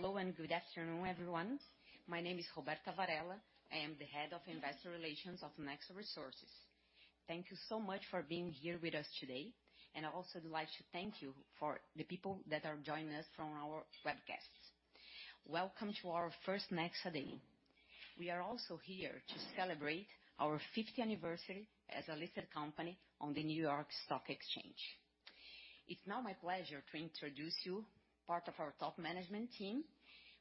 Hello and good afternoon, everyone. My name is Roberta Varella. I am the Head of Investor Relations of Nexa Resources. Thank you so much for being here with us today. I also would like to thank you for the people that are joining us from our webcast. Welcome to our first Nexa Day. We are also here to celebrate our 50th anniversary as a listed company on the New York Stock Exchange. It's now my pleasure to introduce to you part of our top management team.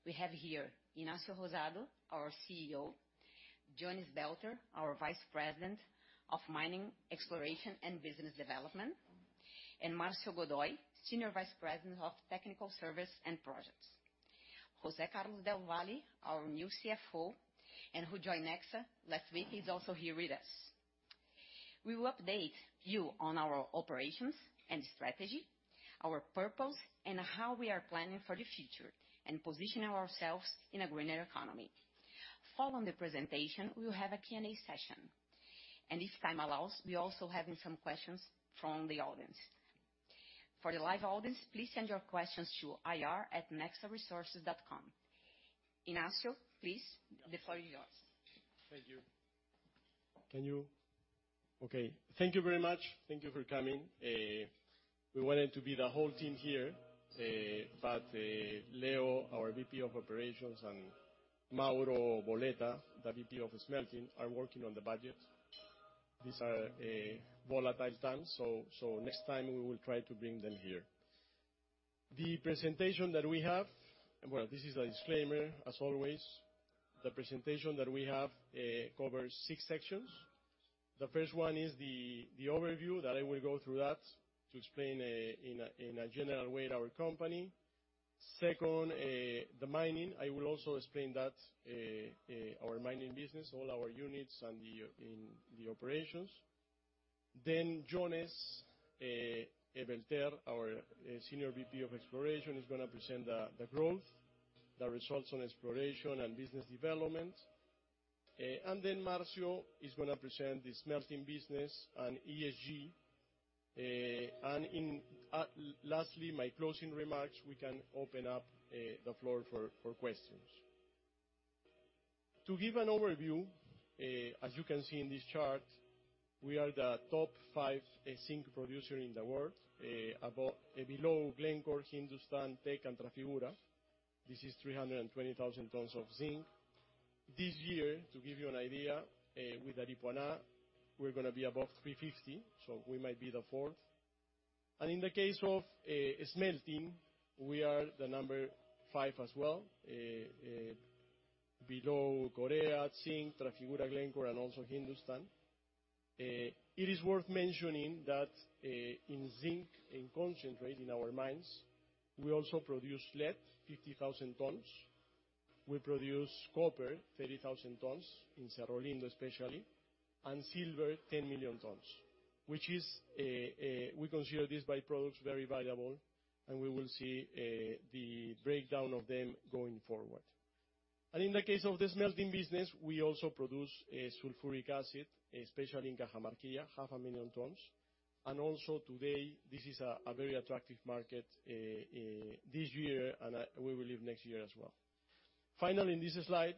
We have here Ignacio Rosado, our CEO, Jones Belther, our Senior Vice President of Mining, Exploration and Business Development, and Marcio Godoy, Senior Vice President of Technical Services and Projects. José Carlos del Valle, our new CFO, who joined Nexa last week, he's also here with us. We will update you on our operations and strategy, our purpose, and how we are planning for the future and positioning ourselves in a greener economy. Following the presentation, we will have a Q&A session. If time allows, we're also having some questions from the audience. For the live audience, please send your questions to ir@nexaresources.com. Ignacio, please, the floor is yours. Thank you. Thank you very much. Thank you for coming. We wanted to be the whole team here, but Leo, our VP of Operations, and Mauro Boletta, the VP of Smelting, are working on the budget. These are volatile times, so next time we will try to bring them here. Well, this is a disclaimer, as always. The presentation that we have covers six sections. The first one is the overview that I will go through to explain in a general way our company. Second, the mining. I will also explain that our mining business, all our units and the operations. Jones Belther, our Senior VP of Exploration, is gonna present the growth, the results on exploration and business development. Marcio is gonna present the smelting business and ESG. Lastly, my closing remarks, we can open up the floor for questions. To give an overview, as you can see in this chart, we are the top five zinc producer in the world, below Glencore, Hindustan Zinc, Teck, and Trafigura. This is 320,000 tons of zinc. This year, to give you an idea, with Aripuanã, we're gonna be above 350, so we might be the fourth. In the case of smelting, we are the number five as well, below Korea Zinc, Trafigura, Glencore, and also Hindustan Zinc. It is worth mentioning that, in zinc and concentrate in our mines, we also produce lead, 50,000 tons. We produce copper, 30,000 tons, in Cerro Lindo especially, and silver, 10 million tons, which is, we consider these by-products very valuable, and we will see the breakdown of them going forward. In the case of the smelting business, we also produce sulfuric acid, especially in Cajamarquilla, 500,000 tons. Also today, this is a very attractive market, this year and we believe next year as well. Finally, in this slide,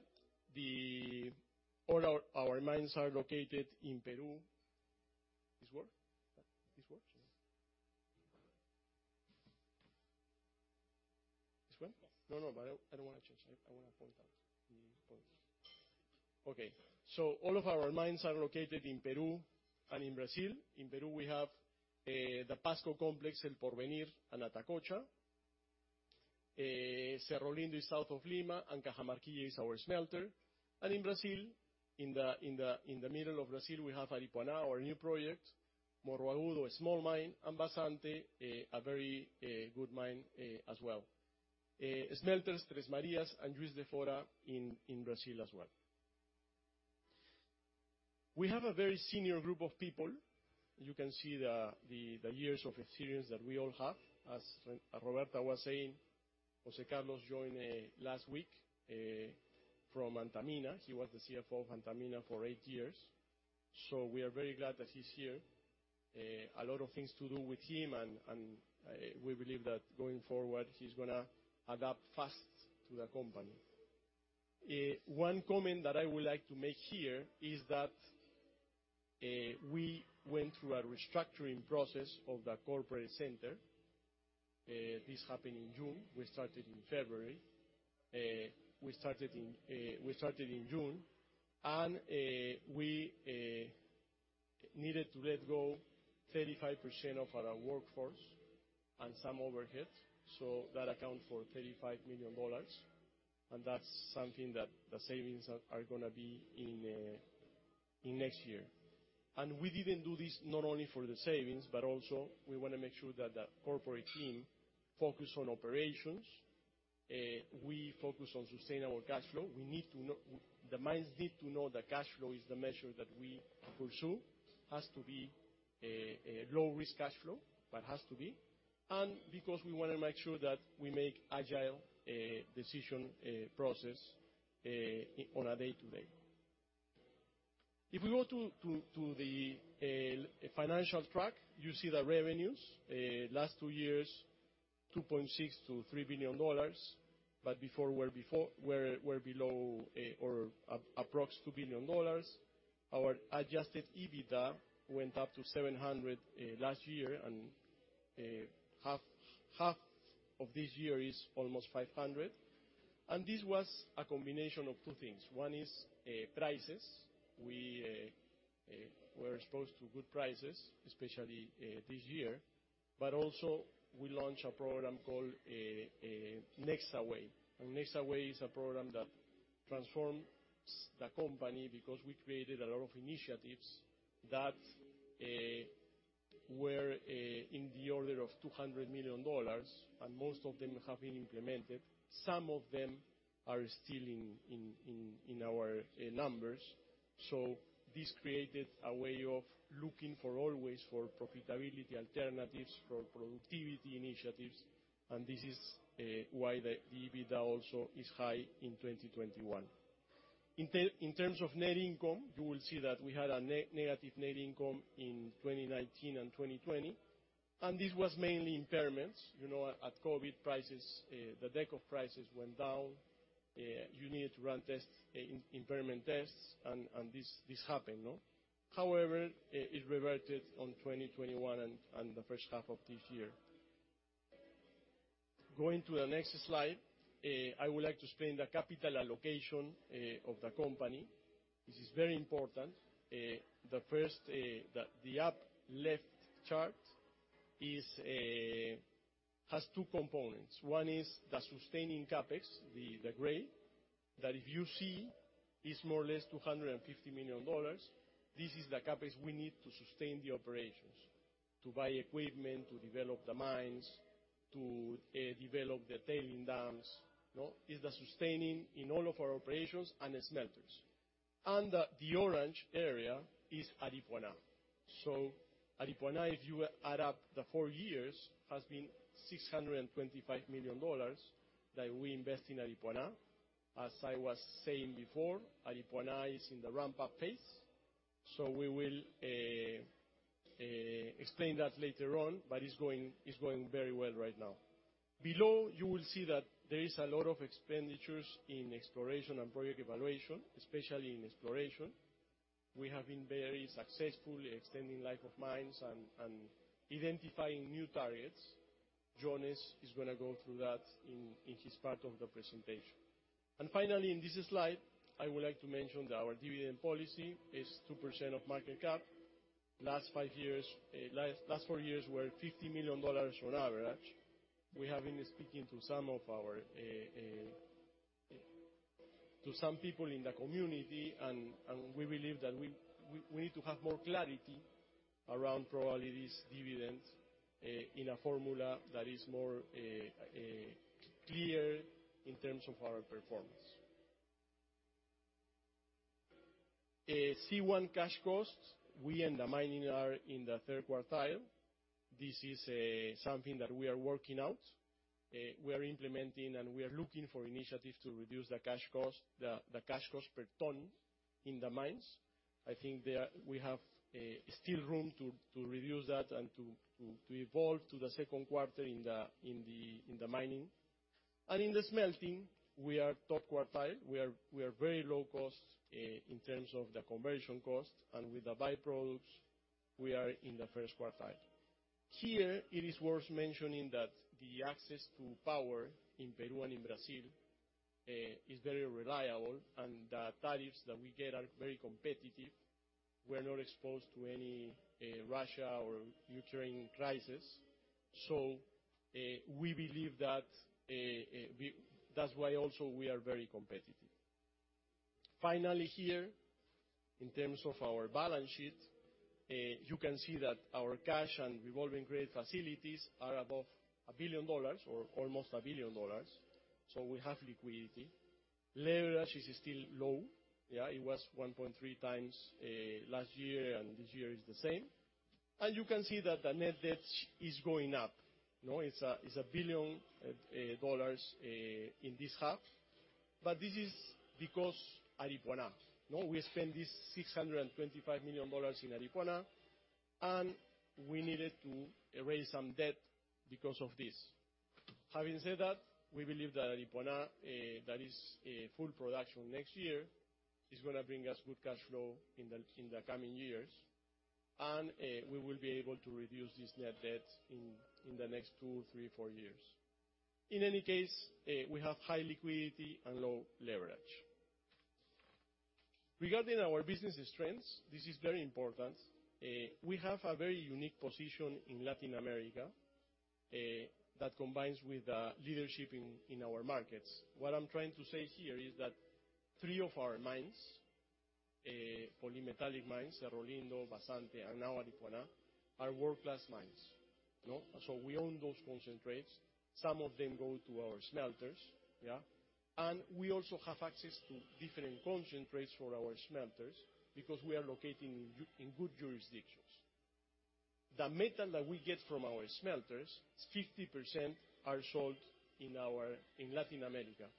all our mines are located in Peru. Yes. I don't wanna change. I wanna point out the points. Okay. All of our mines are located in Peru and in Brazil. In Peru, we have the Cerro de Pasco Complex, El Porvenir and Atacocha. Cerro Lindo is south of Lima, and Cajamarquilla is our smelter. In the middle of Brazil, we have Aripuanã, our new project; Morro Agudo, a small mine; and Vazante, a very good mine as well. Smelters, Três Marias and Juiz de Fora in Brazil as well. We have a very senior group of people. You can see the years of experience that we all have. As Roberta was saying, José Carlos joined last week from Antamina. He was the CFO of Antamina for eight years, so we are very glad that he's here. A lot of things to do with him, we believe that going forward, he's gonna adapt fast to the company. One comment that I would like to make here is that we went through a restructuring process of the corporate center. This happened in June. We started in February. We started in June. We needed to let go 35% of our workforce and some overhead, so that account for $35 million, and that's something that the savings are gonna be in next year. We didn't do this not only for the savings, but also we wanna make sure that the corporate team focus on operations. We focus on sustainable cash flow. The mines need to know that cash flow is the measure that we pursue. Has to be a low risk cash flow, but has to be. Because we wanna make sure that we make agile decision process on a day to day. If we go to the financial track, you see the revenues. Last two years, $2.6 billion-$3 billion, but before, we were below or approx $2 billion. Our adjusted EBITDA went up to $700 million last year and half of this year is almost $500 million. This was a combination of two things. One is prices. We were exposed to good prices, especially this year, but also we launched a program called Nexa Way. Nexa Way is a program that transforms the company because we created a lot of initiatives that were in the order of $200 million, and most of them have been implemented. Some of them are still in our numbers. This created a way of looking for always for profitability alternatives, for productivity initiatives, and this is why the EBITDA also is high in 2021. In terms of net income, you will see that we had a negative net income in 2019 and 2020, and this was mainly impairments. You know, at COVID prices, the zinc prices went down. You needed to run tests, impairment tests, and this happened. However, it reverted in 2021 and the first half of this year. Going to the next slide, I would like to explain the capital allocation of the company. This is very important. The first, the upper left chart has two components. One is the sustaining CapEx, the gray, that if you see is more or less $250 million. This is the CapEx we need to sustain the operations, to buy equipment, to develop the mines, to develop the tailings dams. It's the sustaining in all of our operations and smelters. The orange area is Aripuanã. Aripuanã, if you add up the four years, has been $625 million that we invest in Aripuanã. As I was saying before, Aripuanã is in the ramp-up phase. We will explain that later on, but it's going very well right now. Below, you will see that there is a lot of expenditures in exploration and project evaluation, especially in exploration. We have been very successful extending life of mines and identifying new targets. Jones is gonna go through that in his part of the presentation. Finally, in this slide, I would like to mention that our dividend policy is 2% of market cap. Last five years, last four years were $50 million on average. We have been speaking to some of our to some people in the community and we believe that we need to have more clarity around probably these dividends in a formula that is more clear in terms of our performance. C1 cash costs, we in the mining are in the third quartile. This is something that we are working out. We are implementing, and we are looking for initiatives to reduce the cash cost per ton in the mines. I think there we have still room to reduce that and to evolve to the second quarter in the mining. In the smelting, we are top quartile. We are very low cost in terms of the conversion cost. With the byproducts, we are in the first quartile. Here, it is worth mentioning that the access to power in Peru and in Brazil is very reliable and the tariffs that we get are very competitive. We're not exposed to any Russia or Ukraine crisis. We believe that that's why also we are very competitive. Finally here, in terms of our balance sheet, you can see that our cash and revolving credit facilities are above $1 billion or almost $1 billion. We have liquidity. Leverage is still low. Yeah. It was 1.3x last year, and this year is the same. You can see that the net debt is going up. It's $1 billion in this half. This is because Aripuanã. We spent $625 million in Aripuanã, and we needed to raise some debt because of this. Having said that, we believe that Aripuanã that is full production next year is gonna bring us good cash flow in the coming years. We will be able to reduce this net debt in the next two, three, four years. In any case, we have high liquidity and low leverage. Regarding our business strengths, this is very important. We have a very unique position in Latin America, that combines with the leadership in our markets. What I'm trying to say here is that three of our mines, polymetallic mines, Cerro Lindo, Vazante, and now Aripuanã, are world-class mines. No? We own those concentrates. Some of them go to our smelters, yeah. We also have access to different concentrates for our smelters because we are located in good jurisdictions. The metal that we get from our smelters, 50% are sold in Latin America.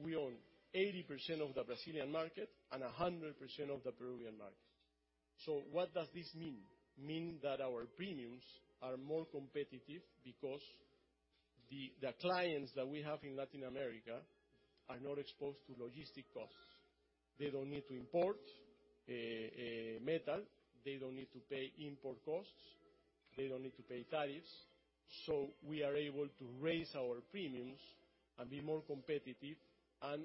We own 80% of the Brazilian market and 100% of the Peruvian market. What does this mean? mean that our premiums are more competitive because the clients that we have in Latin America are not exposed to logistic costs. They don't need to import metal. They don't need to pay import costs. They don't need to pay tariffs. We are able to raise our premiums and be more competitive, and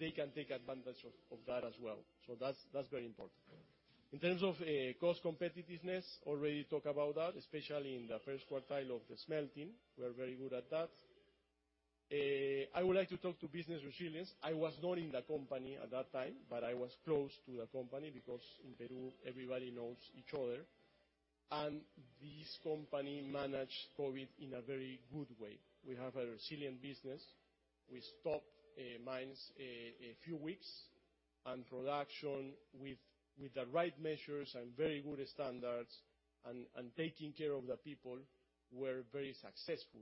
they can take advantage of that as well. That's very important. In terms of cost competitiveness, already talk about that, especially in the first quartile of the smelting. We're very good at that. I would like to talk to business resilience. I was not in the company at that time, but I was close to the company because in Peru, everybody knows each other. This company managed COVID in a very good way. We have a resilient business. We stopped mines a few weeks and production with the right measures and very good standards and taking care of the people were very successful.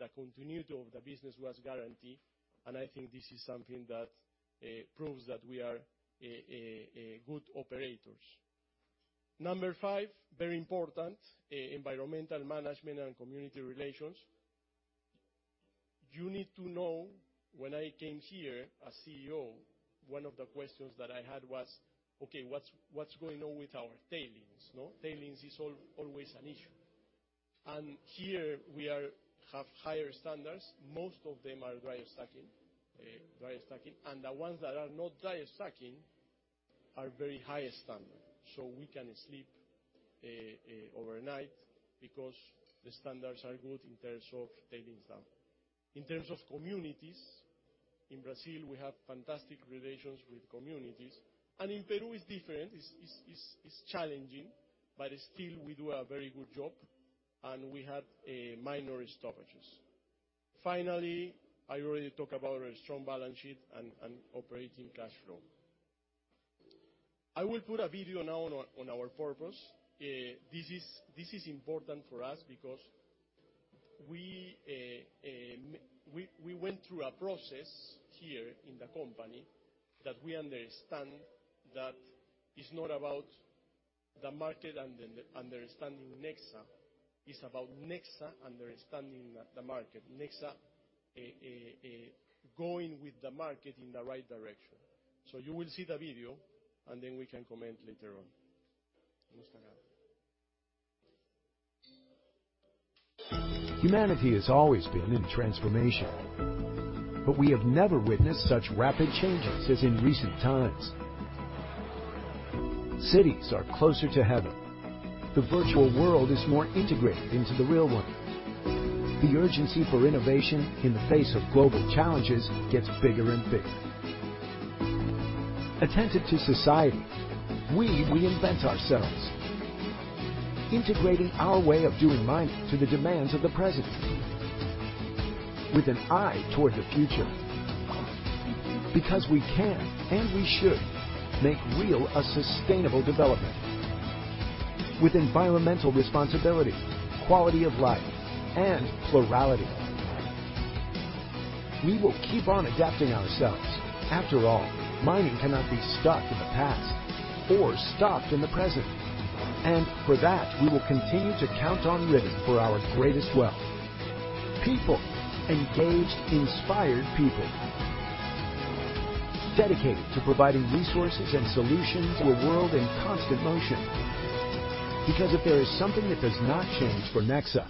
The continuity of the business was guaranteed, and I think this is something that proves that we are good operators. Number five, very important, environmental management and community relations. You need to know when I came here as CEO, one of the questions that I had was, "Okay, what's going on with our tailings?" You know, tailings is always an issue. Here we have higher standards. Most of them are dry stacking. The ones that are not dry stacking are very high standard. We can sleep overnight because the standards are good in terms of tailings dump. In terms of communities, in Brazil, we have fantastic relations with communities. In Peru it's different. It's challenging, but still we do a very good job, and we have minor stoppages. Finally, I already talk about our strong balance sheet and operating cash flow. I will put a video now on our purpose. This is important for us because we went through a process here in the company that we understand that it's not about the market and then the understanding Nexa. It's about Nexa understanding the market. Nexa going with the market in the right direction. You will see the video, and then we can comment later on. Humanity has always been in transformation, but we have never witnessed such rapid changes as in recent times. Cities are closer to heaven. The virtual world is more integrated into the real one. The urgency for innovation in the face of global challenges gets bigger and bigger. Attentive to society, we reinvent ourselves, integrating our way of doing mining to the demands of the present with an eye toward the future. Because we can, and we should, make real a sustainable development with environmental responsibility, quality of life, and plurality. We will keep on adapting ourselves. After all, mining cannot be stuck in the past or stopped in the present. For that, we will continue to count on rhythm for our greatest wealth. People. Engaged, inspired people. Dedicated to providing resources and solutions to a world in constant motion. Because if there is something that does not change for Nexa,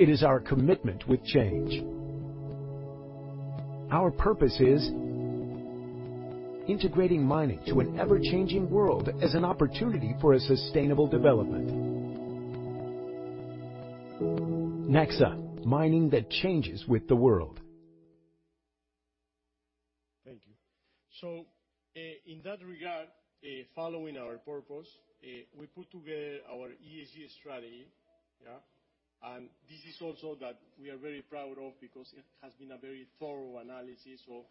it is our commitment with change. Our purpose is integrating mining to an ever-changing world as an opportunity for a sustainable development. Nexa, mining that changes with the world. Thank you. In that regard, following our purpose, we put together our ESG strategy. Yeah. This is also that we are very proud of because it has been a very thorough analysis of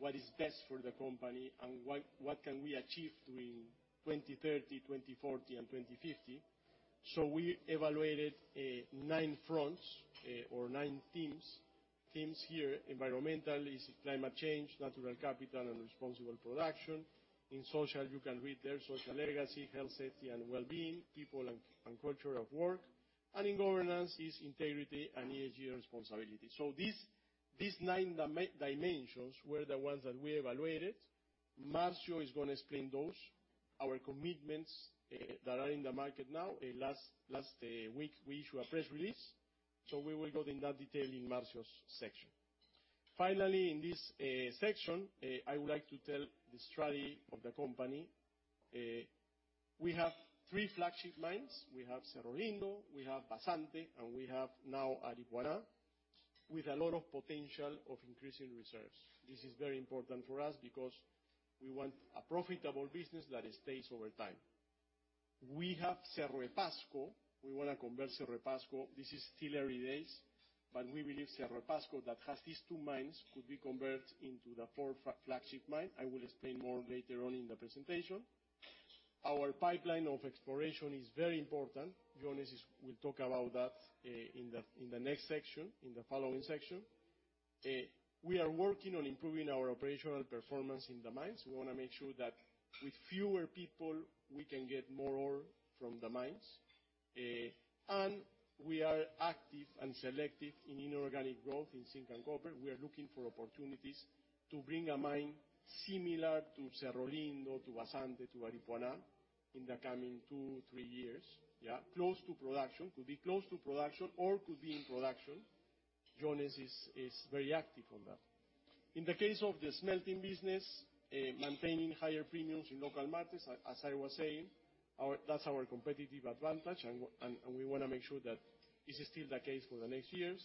what is best for the company and what we can achieve between 2030, 2040 and 2050. We evaluated nine fronts or nine themes. Themes here environmental is climate change, natural capital and responsible production. In social, you can read there social legacy, health, safety and well-being, people and culture of work. In governance is integrity and ESG responsibility. These nine dimensions were the ones that we evaluated. Marcio is gonna explain those, our commitments, that are in the market now. Last week, we issue a press release, so we will go in that detail in Marcio's section. Finally, in this section, I would like to tell the strategy of the company. We have three flagship mines. We have Cerro Lindo, we have Vazante, and we have now Aripuanã with a lot of potential of increasing reserves. This is very important for us because we want a profitable business that stays over time. We have Cerro de Pasco. We wanna convert Cerro de Pasco. This is still early days. We believe Cerro de Pasco that has these two mines could be converted into the fourth flagship mine. I will explain more later on in the presentation. Our pipeline of exploration is very important. Jones will talk about that in the next section. We are working on improving our operational performance in the mines. We wanna make sure that with fewer people, we can get more ore from the mines. We are active and selective in inorganic growth in zinc and copper. We are looking for opportunities to bring a mine similar to Cerro Lindo, to Vazante, to Aripuanã, in the coming two to three years. Close to production, could be close to production or could be in production. Jones is very active on that. In the case of the smelting business, maintaining higher premiums in local markets, as I was saying, that's our competitive advantage and we want to make sure that this is still the case for the next years.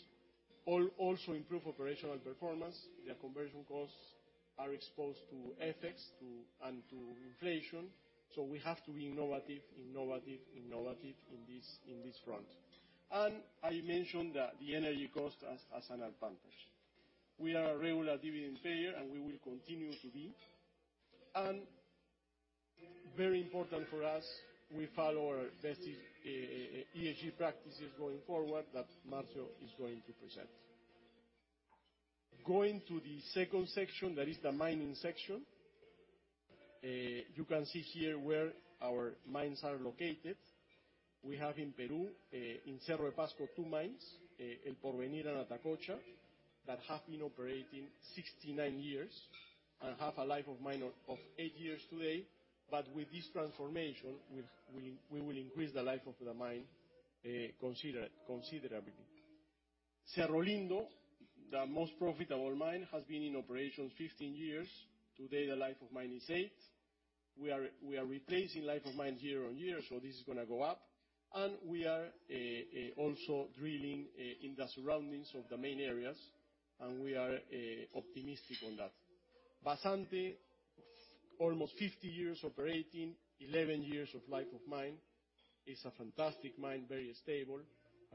Also improve operational performance. The conversion costs are exposed to FX and to inflation, so we have to be innovative in this front. I mentioned that the energy cost as an advantage. We are a regular dividend payer, and we will continue to be. Very important for us, we follow our best ESG practices going forward, that Marcio is going to present. Going to the second section, that is the mining section. You can see here where our mines are located. We have in Peru, in Cerro de Pasco, two mines, El Porvenir and Atacocha, that have been operating 69 years and have a life of mine of 8 years today, but with this transformation, we will increase the life of the mine considerably. Cerro Lindo, the most profitable mine, has been in operation 15 years. Today, the life of mine is 8. We are replacing life of mine year on year, so this is gonna go up. We are also drilling in the surroundings of the main areas, and we are optimistic on that. Vazante, almost 50 years operating, 11 years of life of mine. It's a fantastic mine, very stable.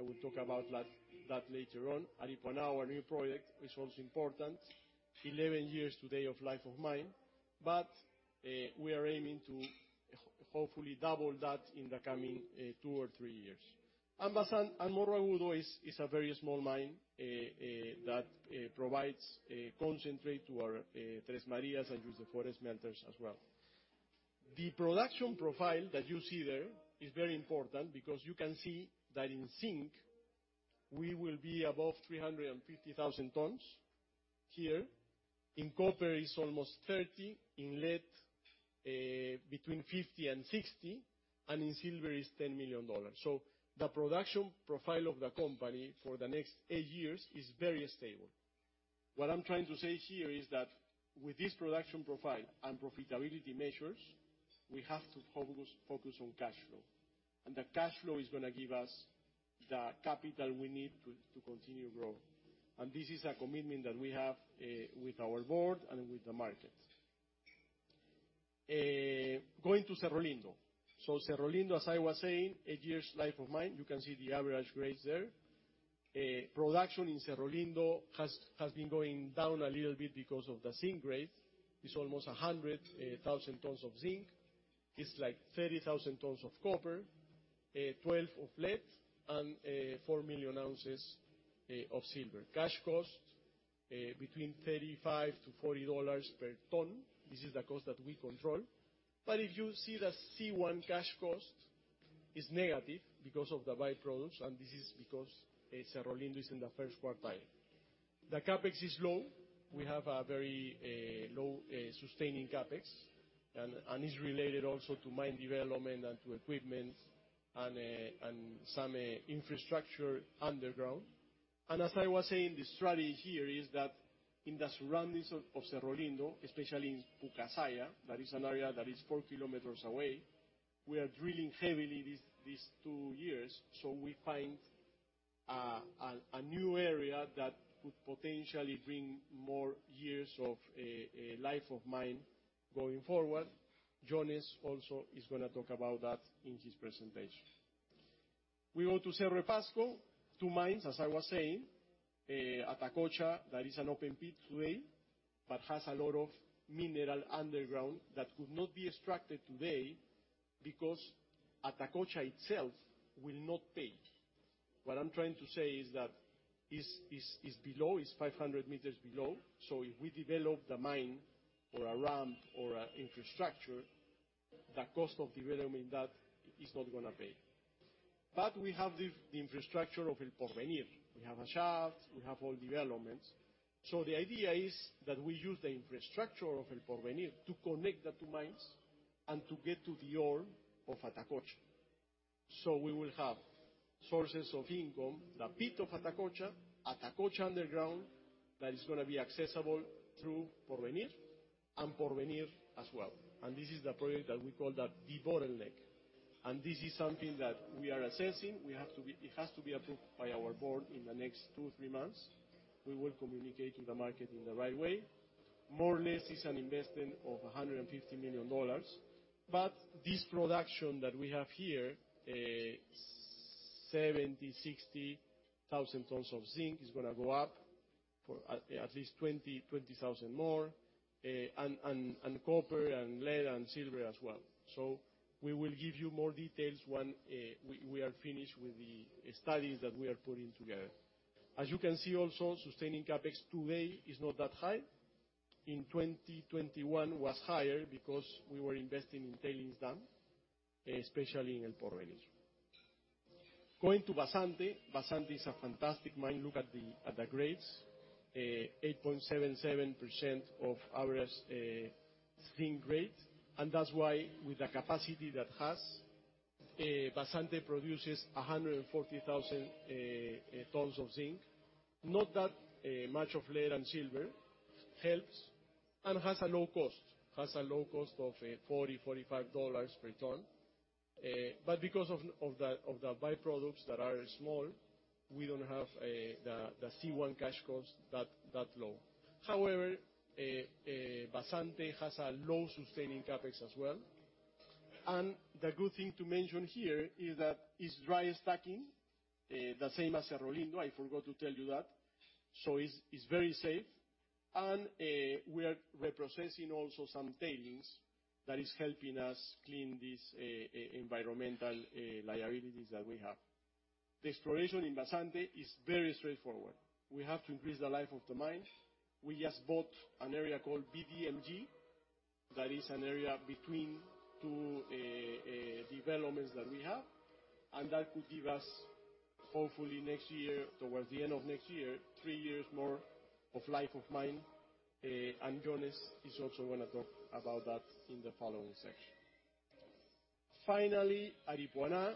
I will talk about that later on. Aripuanã, our new project, is also important. 11 years today of life of mine, but we are aiming to hopefully double that in the coming two or three years. Morro Agudo is a very small mine that provides concentrate to our Três Marias and Juiz de Fora smelters as well. The production profile that you see there is very important because you can see that in zinc, we will be above 350,000 tons. Here in copper is almost 30, in lead between 50 and 60, and in silver is 10 million ounces. The production profile of the company for the next eight years is very stable. What I'm trying to say here is that with this production profile and profitability measures, we have to focus on cash flow. The cash flow is gonna give us the capital we need to continue growing. This is a commitment that we have with our board and with the market. Going to Cerro Lindo. Cerro Lindo, as I was saying, eight years life of mine, you can see the average grades there. Production in Cerro Lindo has been going down a little bit because of the zinc grade. It's almost 100,000 tons of zinc. It's like 30,000 tons of copper, 12,000 tons of lead, and four million ounces of silver. Cash cost between $35-$40 per ton. This is the cost that we control. If you see the C1 cash cost, it's negative because of the by-products, and this is because Cerro Lindo is in the first quartile. The CapEx is low. We have a very low sustaining CapEx, and is related also to mine development and to equipment and some infrastructure underground. As I was saying, the strategy here is that in the surroundings of Cerro Lindo, especially in Pucasalla, that is an area that is four km away, we are drilling heavily these two years, so we find a new area that could potentially bring more years of a life of mine going forward. Jones also is gonna talk about that in his presentation. We go to Cerro de Pasco, two mines, as I was saying. Atacocha, that is an open pit today, but has a lot of mineral underground that could not be extracted today because Atacocha itself will not pay. What I'm trying to say is that is below, it's 500 m below, so if we develop the mine or a ramp or a infrastructure, the cost of development that is not gonna pay. We have the infrastructure of El Porvenir. We have a shaft, we have all developments. The idea is that we use the infrastructure of El Porvenir to connect the two mines and to get to the ore of Atacocha. We will have sources of income, the pit of Atacocha underground that is gonna be accessible through Porvenir and Porvenir as well. This is the project that we call the bottleneck. This is something that we are assessing. It has to be approved by our board in the next two to three months. We will communicate to the market in the right way. More or less, it's an investment of $150 million. This production that we have here, 60,000-70,000 tons of zinc is gonna go up for at least 20,000 more. Copper and lead and silver as well. We will give you more details when we are finished with the studies that we are putting together. As you can see also, sustaining CapEx today is not that high. In 2021 was higher because we were investing in tailings dam, especially in El Porvenir. Going to Vazante. Vazante is a fantastic mine. Look at the grades. 8.77% of our zinc grade. That's why with the capacity that it has, Vazante produces 140,000 tons of zinc. Not that much of lead and silver. It helps and has a low cost of $45 per ton. But because of the byproducts that are small, we don't have the C1 cash costs that low. However, Vazante has a low sustaining CapEx as well. The good thing to mention here is that it's dry stacking, the same as Cerro Lindo. I forgot to tell you that. It's very safe, and we are reprocessing also some tailings that is helping us clean these environmental liabilities that we have. The exploration in Vazante is very straightforward. We have to increase the life of the mine. We just bought an area called BDMG, that is an area between two developments that we have. That could give us, hopefully next year, towards the end of next year, three years more of life of mine. Jones is also gonna talk about that in the following section. Finally, Aripuanã.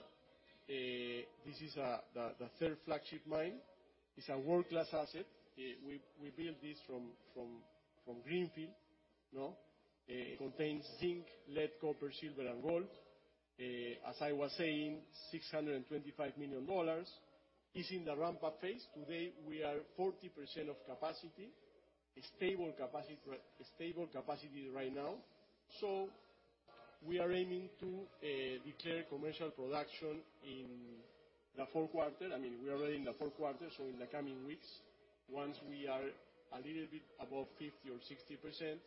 This is the third flagship mine. It's a world-class asset. We built this from greenfield, you know. Contains zinc, lead, copper, silver, and gold. As I was saying, $625 million is in the ramp-up phase. Today, we are 40% of capacity. A stable capacity right now. We are aiming to declare commercial production in the fourth quarter. I mean, we are already in the fourth quarter, so in the coming weeks, once we are a little bit above 50% or 60%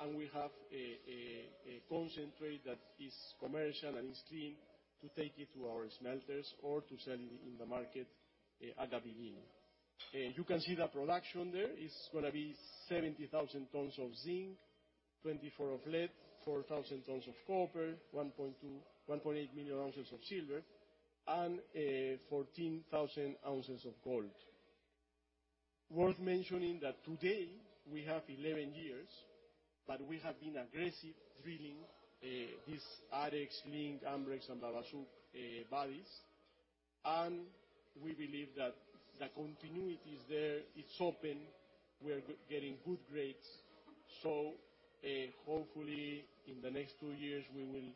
and we have a concentrate that is commercial and is clean to take it to our smelters or to sell it in the market at the beginning. You can see the production there is gonna be 70,000 tons of zinc, 24,000 tons of lead, 4,000 tons of copper, 1.8 million ounces of silver, and 14,000 ounces of gold. Worth mentioning that today we have 11 years, but we have been aggressive drilling these areas like Ambrex and Babaçu valleys. We believe that the continuity is there. It's open. We are getting good grades. Hopefully in the next two years, we will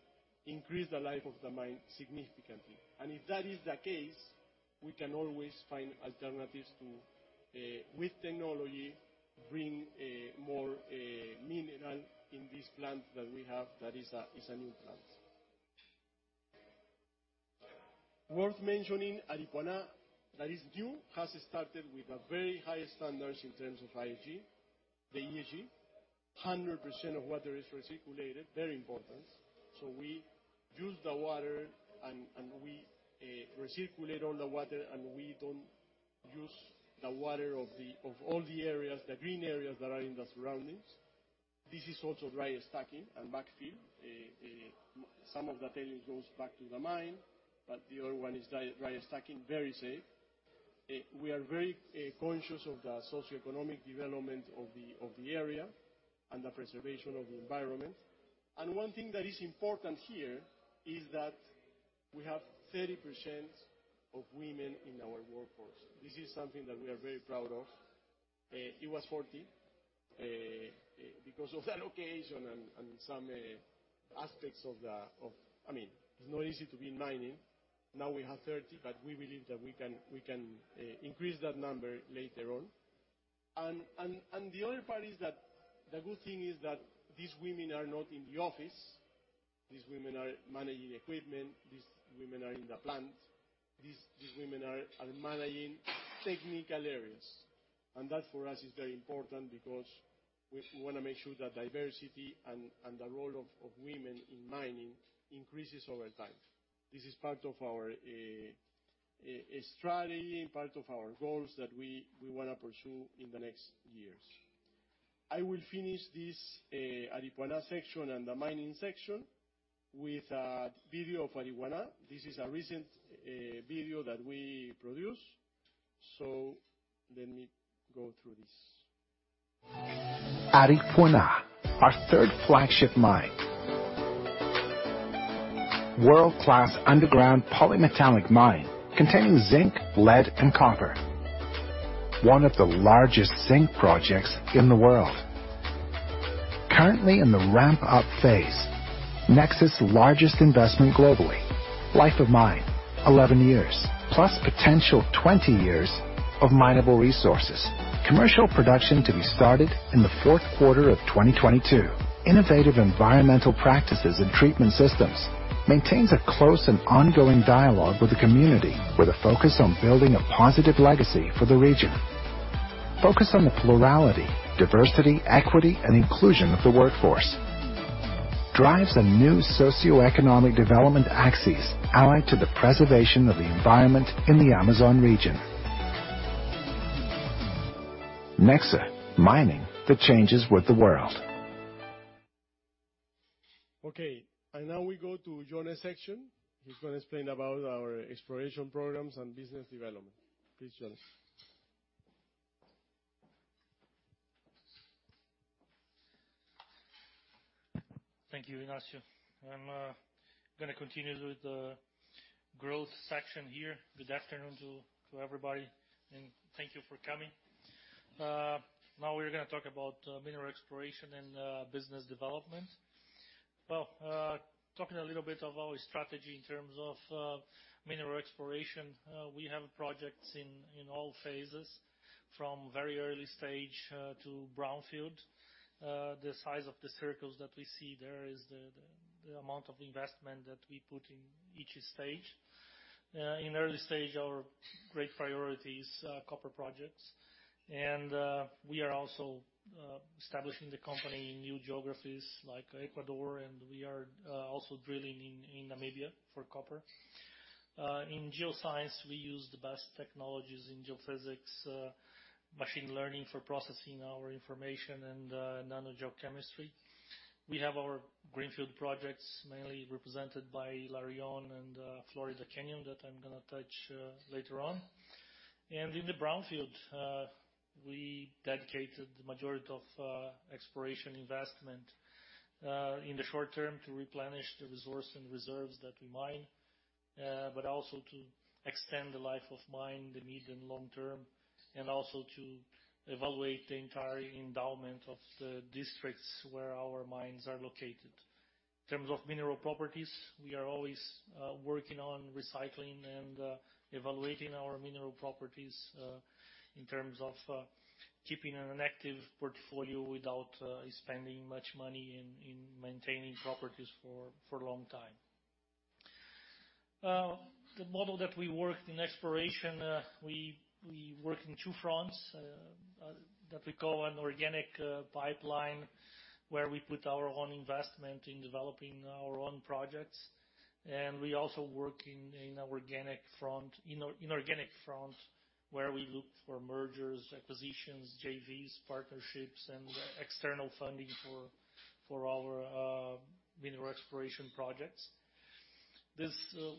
increase the life of the mine significantly. If that is the case, we can always find alternatives to, with technology, bring more mineral in this plant that we have that is a new plant. Worth mentioning, Aripuanã that is new, has started with very high standards in terms of ESG. 100% of water is recirculated, very important. We use the water and we recirculate all the water, and we don't use the water of all the areas, the green areas that are in the surroundings. This is also dry stacking and backfill. Some of the tailings goes back to the mine, but the other one is dry stacking, very safe. We are very conscious of the socioeconomic development of the area and the preservation of the environment. One thing that is important here is that we have 30% of women in our workforce. This is something that we are very proud of. It was 40. Because of the location and some aspects. I mean, it's not easy to be in mining. Now we have 30, but we believe that we can increase that number later on. The other part is that the good thing is that these women are not in the office. These women are managing equipment. These women are managing technical areas. That for us is very important because we wanna make sure that diversity and the role of women in mining increases over time. This is part of our strategy, part of our goals that we wanna pursue in the next years. I will finish this Aripuanã section and the mining section with a video of Aripuanã. This is a recent video that we produced. Let me go through this. Aripuanã, our third flagship mine. World-class underground polymetallic mine containing zinc, lead, and copper. One of the largest zinc projects in the world. Currently in the ramp up phase. Nexa's largest investment globally. Life of mine, 11 years, plus potential 20 years of mineable resources. Commercial production to be started in the fourth quarter of 2022. Innovative environmental practices and treatment systems. Maintains a close and ongoing dialogue with the community, with a focus on building a positive legacy for the region. Focus on the plurality, diversity, equity, and inclusion of the workforce. Drives a new socioeconomic development axis allied to the preservation of the environment in the Amazon region. Nexa, mining that changes with the world. Okay. Now we go to Jones' section. He's gonna explain about our exploration programs and business development. Please, Jones. Thank you, Ignacio. I'm gonna continue with the growth section here. Good afternoon to everybody, and thank you for coming. Now we're gonna talk about mineral exploration and business development. Talking a little bit of our strategy in terms of mineral exploration, we have projects in all phases, from very early stage to brownfield. The size of the circles that we see there is the amount of investment that we put in each stage. In early stage, our great priority is copper projects. We are also establishing the company in new geographies like Ecuador, and we are also drilling in Namibia for copper. In geoscience, we use the best technologies in geophysics, machine learning for processing our information and nanogeochemistry. We have our greenfield projects mainly represented by Hilarion and Florida Canyon that I'm gonna touch later on. In the brownfield, we dedicated the majority of exploration investment in the short term to replenish the resource and reserves that we mine, but also to extend the life of mine in the long term, and also to evaluate the entire endowment of the districts where our mines are located. In terms of mineral properties, we are always working on recycling and evaluating our mineral properties in terms of keeping an active portfolio without spending much money in maintaining properties for a long time. The model that we worked in exploration, we work in two fronts that we call an organic pipeline, where we put our own investment in developing our own projects. We also work in inorganic front, where we look for mergers, acquisitions, JVs, partnerships, and external funding for our mineral exploration projects. This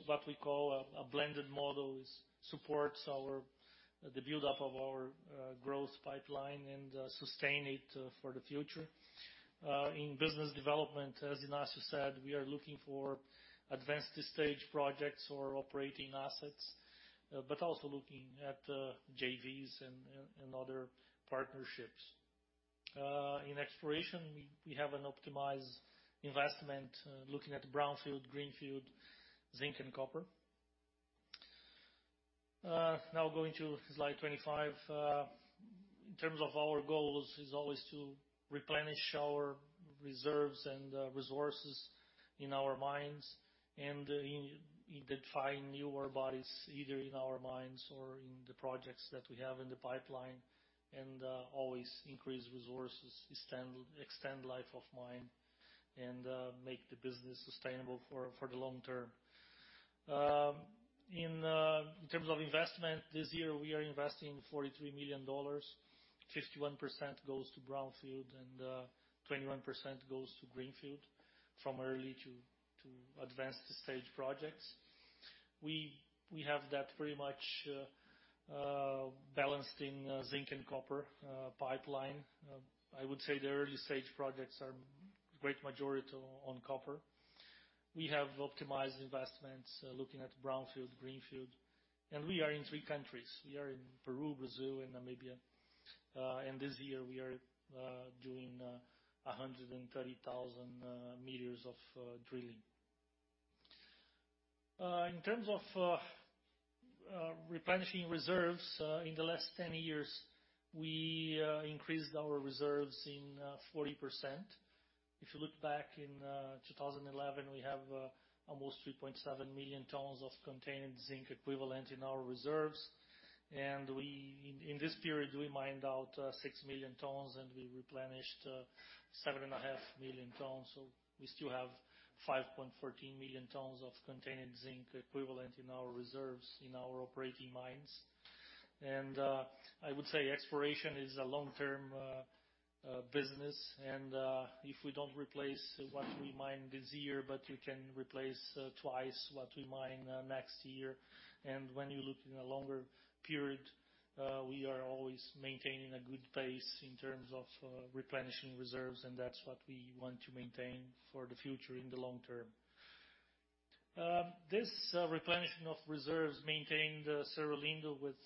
what we call a blended model is supports the buildup of our growth pipeline and sustain it for the future. In business development, as Ignacio said, we are looking for advanced stage projects or operating assets, but also looking at JVs and other partnerships. In exploration, we have an optimized investment looking at brownfield, greenfield, zinc, and copper. Now going to slide 25. In terms of our goals is always to replenish our reserves and resources in our mines, and in identifying newer bodies, either in our mines or in the projects that we have in the pipeline, and always increase resources, extend life of mine and make the business sustainable for the long term. In terms of investment, this year we are investing $43 million. 51% goes to brownfield and 21% goes to greenfield from early to advanced stage projects. We have that very much balanced in zinc and copper pipeline. I would say the early stage projects are great majority on copper. We have optimized investments looking at brownfield, greenfield. We are in three countries. We are in Peru, Brazil, and Namibia. This year we are doing 130,000 m of drilling. In terms of replenishing reserves, in the last ten years, we increased our reserves by 40%. If you look back in 2011, we have almost 3.7 million tons of contained zinc equivalent in our reserves. In this period, we mined out 6 million tons, and we replenished 7.5 million tons. We still have 5.14 million tons of contained zinc equivalent in our reserves in our operating mines. I would say exploration is a long-term business. If we don't replace what we mine this year, but you can replace twice what we mine next year. When you look in a longer period, we are always maintaining a good pace in terms of replenishing reserves, and that's what we want to maintain for the future in the long term. This replenishing of reserves maintained Cerro Lindo with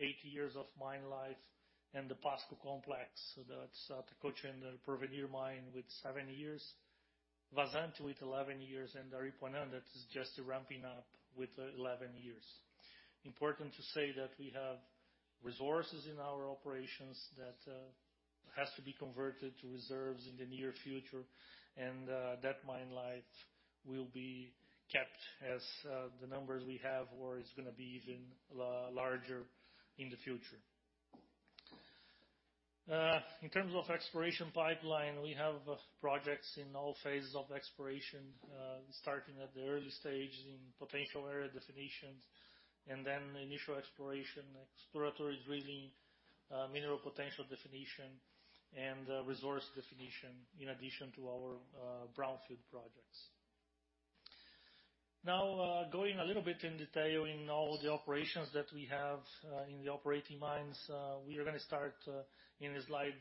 eight years of mine life and the Pasco complex. That's the Atacocha and the El Porvenir mine with seven years. Vazante with 11 years, and Aripuanã, that is just ramping up with 11 years. Important to say that we have resources in our operations that has to be converted to reserves in the near future, and that mine life will be kept as the numbers we have, or it's gonna be even larger in the future. In terms of exploration pipeline, we have projects in all phases of exploration, starting at the early stages in potential area definitions and then initial exploration, exploratory drilling, mineral potential definition, and resource definition in addition to our brownfield projects. Now, going a little bit in detail in all the operations that we have in the operating mines, we are gonna start in slide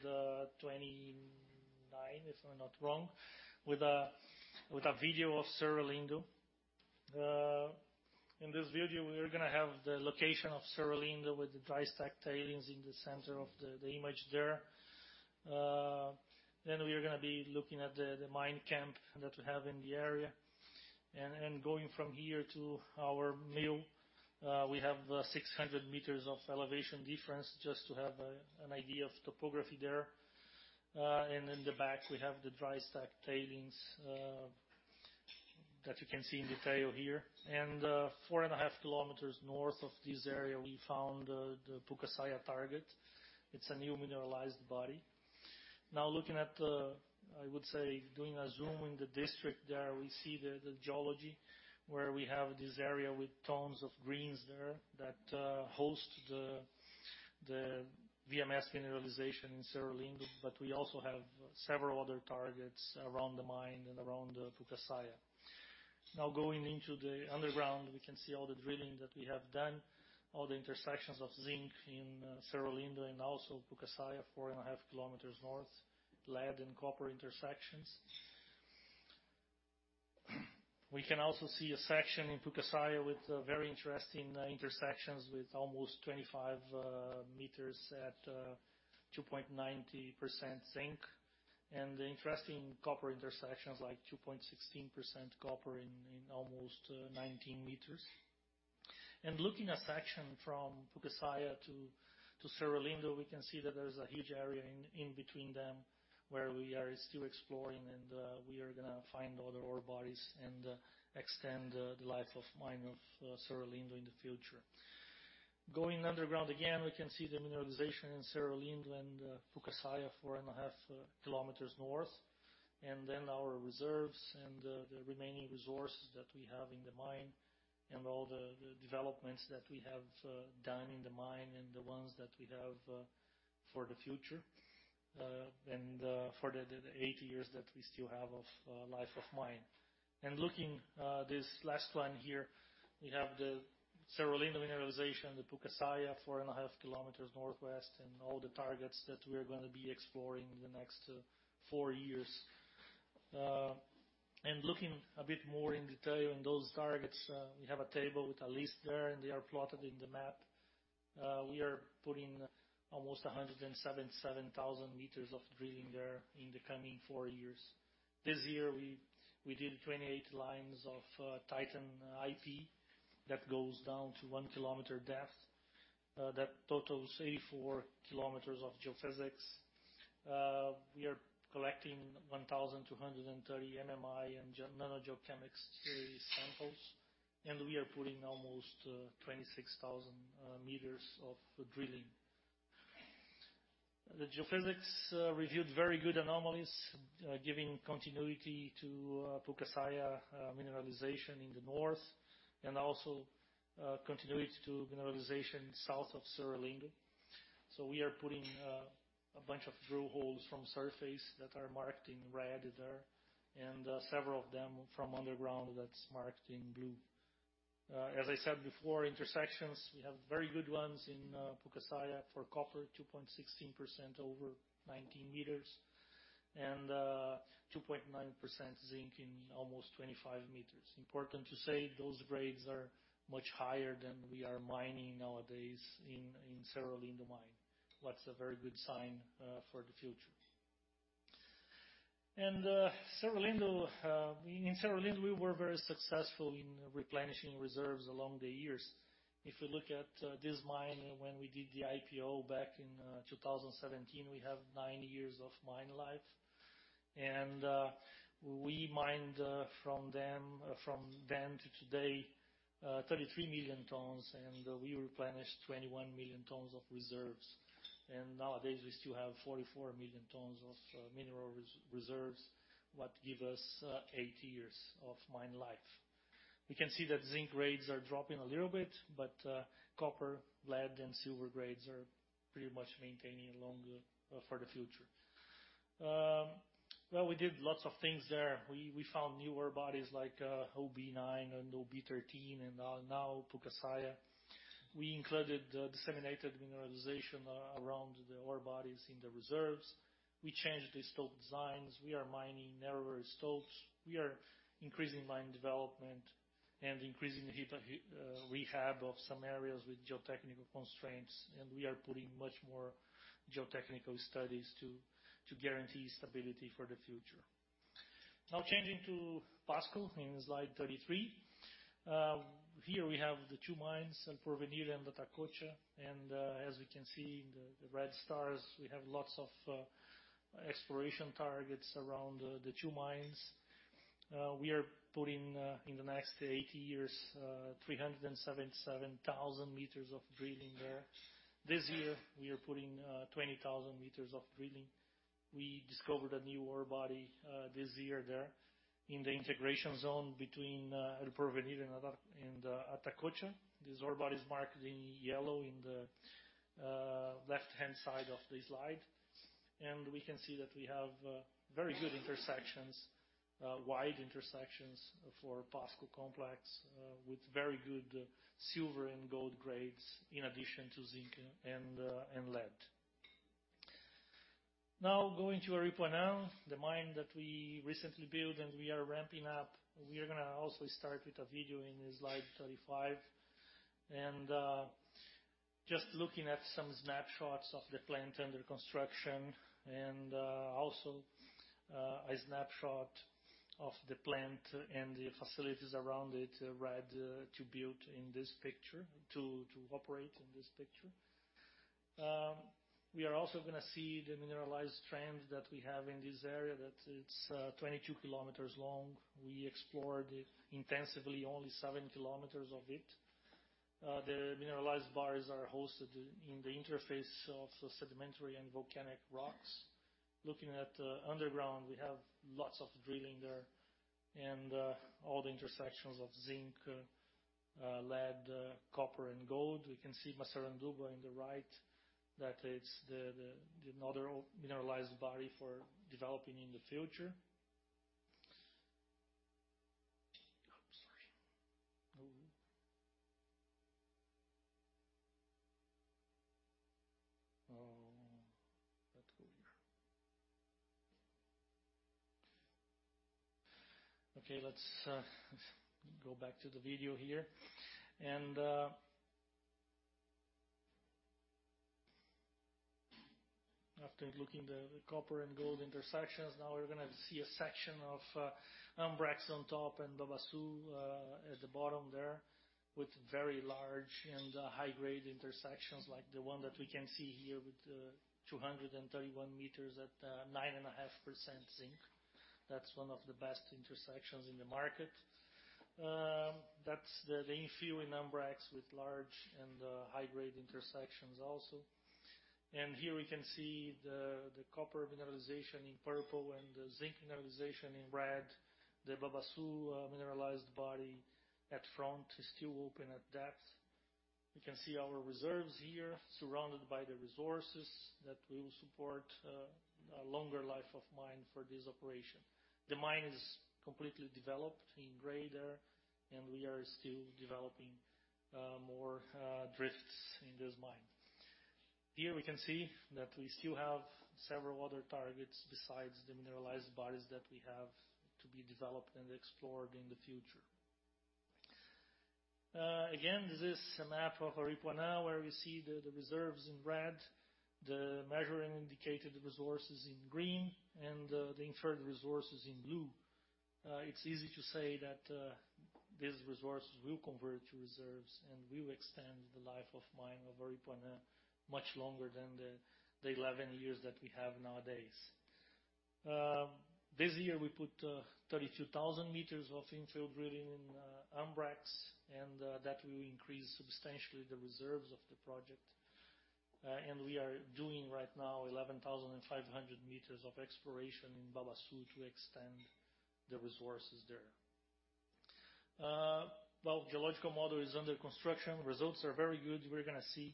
29, if I'm not wrong, with a video of Cerro Lindo. In this video, we are gonna have the location of Cerro Lindo with the dry stack tailings in the center of the image there. Then we are gonna be looking at the mine camp that we have in the area. Going from here to our mill, we have 600 m of elevation difference just to have an idea of topography there. In the back, we have the dry stack tailings that you can see in detail here. Four and a half km north of this area, we found the Pucasaia target. It's a new mineralized body. Now looking at the, I would say, doing a zoom in the district there, we see the geology, where we have this area with tones of greens there that host the VMS mineralization in Cerro Lindo, but we also have several other targets around the mine and around Pucasaia. Now going into the underground, we can see all the drilling that we have done, all the intersections of zinc in Cerro Lindo and also Pucasaia, 4.5 km north, lead and copper intersections. We can also see a section in Pucasaia with very interesting intersections with almost 25 m at 2.90% zinc, and interesting copper intersections like 2.16% copper in almost 19 m. Looking at a section from Pucasaia to Cerro Lindo, we can see that there's a huge area in between them, where we are still exploring and we are gonna find other ore bodies and extend the life of mine of Cerro Lindo in the future. Going underground again, we can see the mineralization in Cerro Lindo and Pucasaia 4.5 km north, and then our reserves and the remaining resources that we have in the mine and all the developments that we have done in the mine and the ones that we have for the future and for the eight years that we still have of life of mine. Looking this last one here, we have the Cerro Lindo mineralization, the Pucasaia 4.5 km northwest and all the targets that we're gonna be exploring in the next four years. Looking a bit more in detail in those targets, we have a table with a list there, and they are plotted in the map. We are putting almost 177,000 m of drilling there in the coming four years. This year, we did 28 lines of TITAN IP that goes down to one km depth. That totals 84 km of geophysics. We are collecting 1,230 MMI and nanogeochemistry samples, and we are putting almost 26,000 m of drilling. The geophysics reviewed very good anomalies, giving continuity to Pucasaia mineralization in the north and also continuity to mineralization south of Cerro Lindo. We are putting a bunch of drill holes from surface that are marked in red there, and several of them from underground that's marked in blue. As I said before, intersections, we have very good ones in Pucasaia for copper, 2.16% over 19 m and 2.9% zinc in almost 25 m. Important to say those grades are much higher than we are mining nowadays in Cerro Lindo mine. That's a very good sign for the future. In Cerro Lindo, we were very successful in replenishing reserves along the years. If you look at this mine when we did the IPO back in 2017, we have nine years of mine life. We mined from then to today 33 million tons, and we replenished 21 million tons of reserves. Nowadays, we still have 44 million tons of mineral reserves, what give us eight years of mine life. We can see that zinc grades are dropping a little bit, but copper, lead and silver grades are pretty much maintaining along for the future. Well, we did lots of things there. We found newer bodies like OB9 and OB13 and now Pucasaia. We included the disseminated mineralization around the ore bodies in the reserves. We changed the stope designs. We are mining narrower stopes. We are increasing mine development and increasing the heap leach rehab of some areas with geotechnical constraints, and we are putting much more geotechnical studies to guarantee stability for the future. Now changing to Pasco in slide 33. Here we have the two mines, El Porvenir and Atacocha, and as we can see in the red stars, we have lots of exploration targets around the two mines. We are putting in the next eight years 377,000 m of drilling there. This year, we are putting 20,000 m of drilling. We discovered a new ore body this year there in the integration zone between El Porvenir and Atacocha. These ore bodies marked in yellow in the left-hand side of the slide. We can see that we have very good intersections, wide intersections for Pasco Complex, with very good silver and gold grades in addition to zinc and lead. Now going to Aripuanã, the mine that we recently built and we are ramping up. We're gonna also start with a video in slide 35. Just looking at some snapshots of the plant under construction and also a snapshot of the plant and the facilities around it, ready to operate in this picture. We are also gonna see the mineralized trends that we have in this area, that it's 22 km long. We explored intensively only seven km of it. The mineralized bars are hosted in the interface of sedimentary and volcanic rocks. Looking at underground, we have lots of drilling there and all the intersections of zinc, lead, copper, and gold. We can see Massaranduba on the right, that is another mineralized body for developing in the future. Let's go here. Okay, let's go back to the video here. After looking at the copper and gold intersections, now we're gonna see a section of Ambrex on top and Babaçu at the bottom there, with very large and high-grade intersections like the one that we can see here with 231 m at 9.5% zinc. That's one of the best intersections in the market. That's the infill in Ambrex with large and high-grade intersections also. Here we can see the copper mineralization in purple and the zinc mineralization in red. The Babaçu mineralized body in front is still open at depth. We can see our reserves here surrounded by the resources that will support a longer life of mine for this operation. The mine is completely developed in gray there, and we are still developing more drifts in this mine. Here we can see that we still have several other targets besides the mineralized bodies that we have to be developed and explored in the future. Again, this is a map of Aripuanã where we see the reserves in red, the measured and indicated resources in green, and the inferred resources in blue. It's easy to say that these resources will convert to reserves and will extend the life of mine of Aripuanã much longer than the 11 years that we have nowadays. This year we put 32,000 m of infill drilling in Ambrex, and that will increase substantially the reserves of the project. We are doing right now 11,500 m of exploration in Babaçu to extend the resources there. Well, geological model is under construction. Results are very good. We're gonna see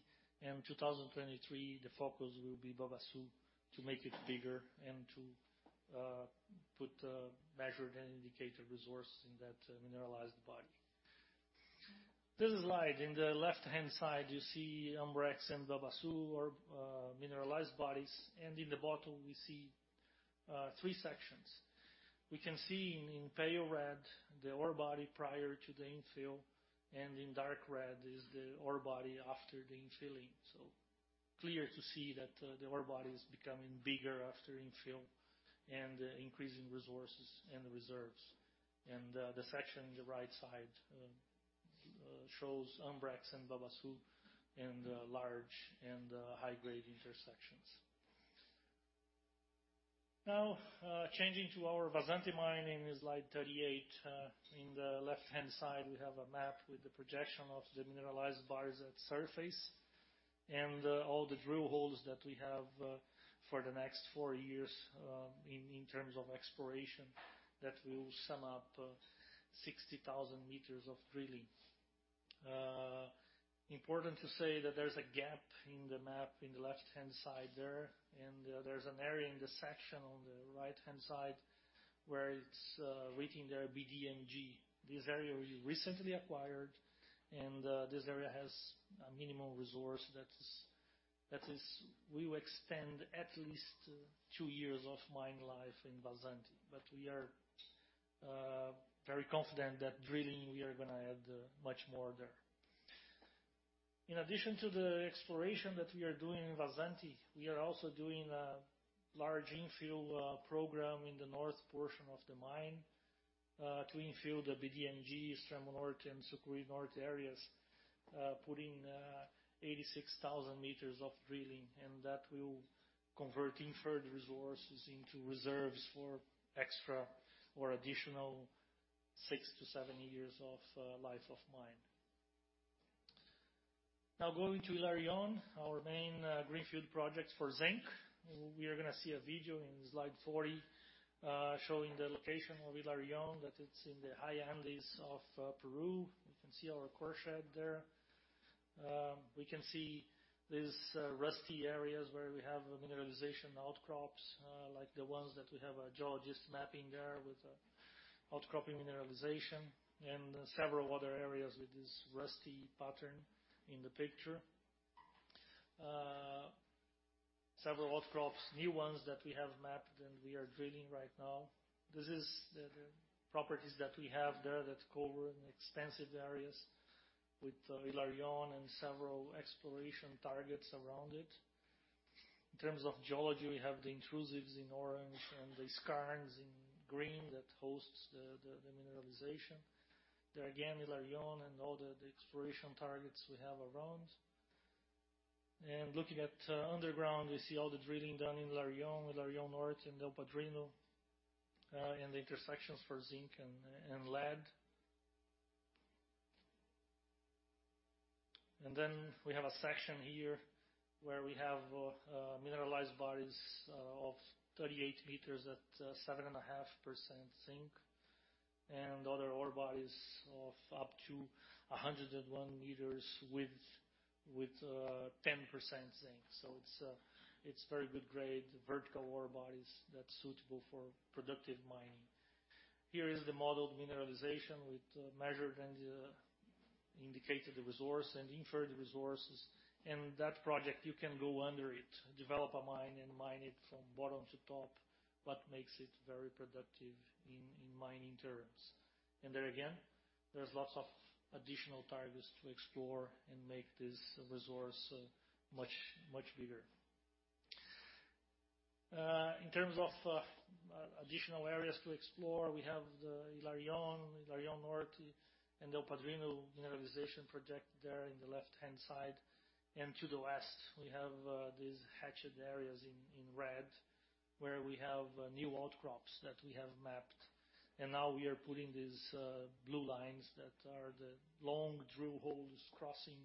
in 2023, the focus will be Babaçu to make it bigger and to put measured and indicated resource in that mineralized body. This slide in the left-hand side, you see Ambrex and Babaçu are mineralized bodies, and in the bottom we see three sections. We can see in pale red the ore body prior to the infill, and in dark red is the ore body after the infilling. Clear to see that the ore body is becoming bigger after infill and increasing resources and the reserves. The section on the right side shows Ambrex and Babaçu and large and high-grade intersections. Now, changing to our Vazante mine in slide 38. In the left-hand side, we have a map with the projection of the mineralized bodies at surface and all the drill holes that we have for the next four years in terms of exploration that will sum up 60,000 m of drilling. Important to say that there's a gap in the map in the left-hand side there, and there's an area in the section on the right-hand side where it's reaching their BDMG. This area we recently acquired, and this area has a mineral resource that is we will extend at least two years of mine life in Vazante. We are very confident that drilling, we are gonna add much more there. In addition to the exploration that we are doing in Vazante, we are also doing a large infill program in the north portion of the mine to infill the BDMG, Extremo Norte, and Sucuri Norte areas, putting 86,000 m of drilling, and that will convert inferred resources into reserves for extra or additional six to seven years of life of mine. Now going to Hilarion, our main greenfield project for zinc. We are gonna see a video in slide 40 showing the location of Hilarion, that it's in the high Andes of Peru. You can see our core shed there. We can see these rusty areas where we have mineralization outcrops, like the ones that we have our geologists mapping there with outcropping mineralization and several other areas with this rusty pattern in the picture. Several outcrops, new ones that we have mapped, and we are drilling right now. This is the properties that we have there that cover extensive areas with Hilarion and several exploration targets around it. In terms of geology, we have the intrusives in orange and the skarns in green that host the mineralization. There again, Hilarion and all the exploration targets we have around. Looking at underground, you see all the drilling done in Hilarion North and El Padrino, and the intersections for zinc and lead. We have a section here where we have mineralized bodies of 38 m at 7.5% zinc, and other ore bodies of up to 101 m width with 10% zinc. It's very good grade, vertical ore bodies that's suitable for productive mining. Here is the modeled mineralization with measured and indicated the resource and inferred resources. That project, you can go under it, develop a mine, and mine it from bottom to top, what makes it very productive in mining terms. There again, there's lots of additional targets to explore and make this resource much bigger. In terms of additional areas to explore, we have the Hilarion North, and El Padrino mineralization project there in the left-hand side. To the west, we have these hatched areas in red, where we have new outcrops that we have mapped. Now we are putting these blue lines that are the long drill holes crossing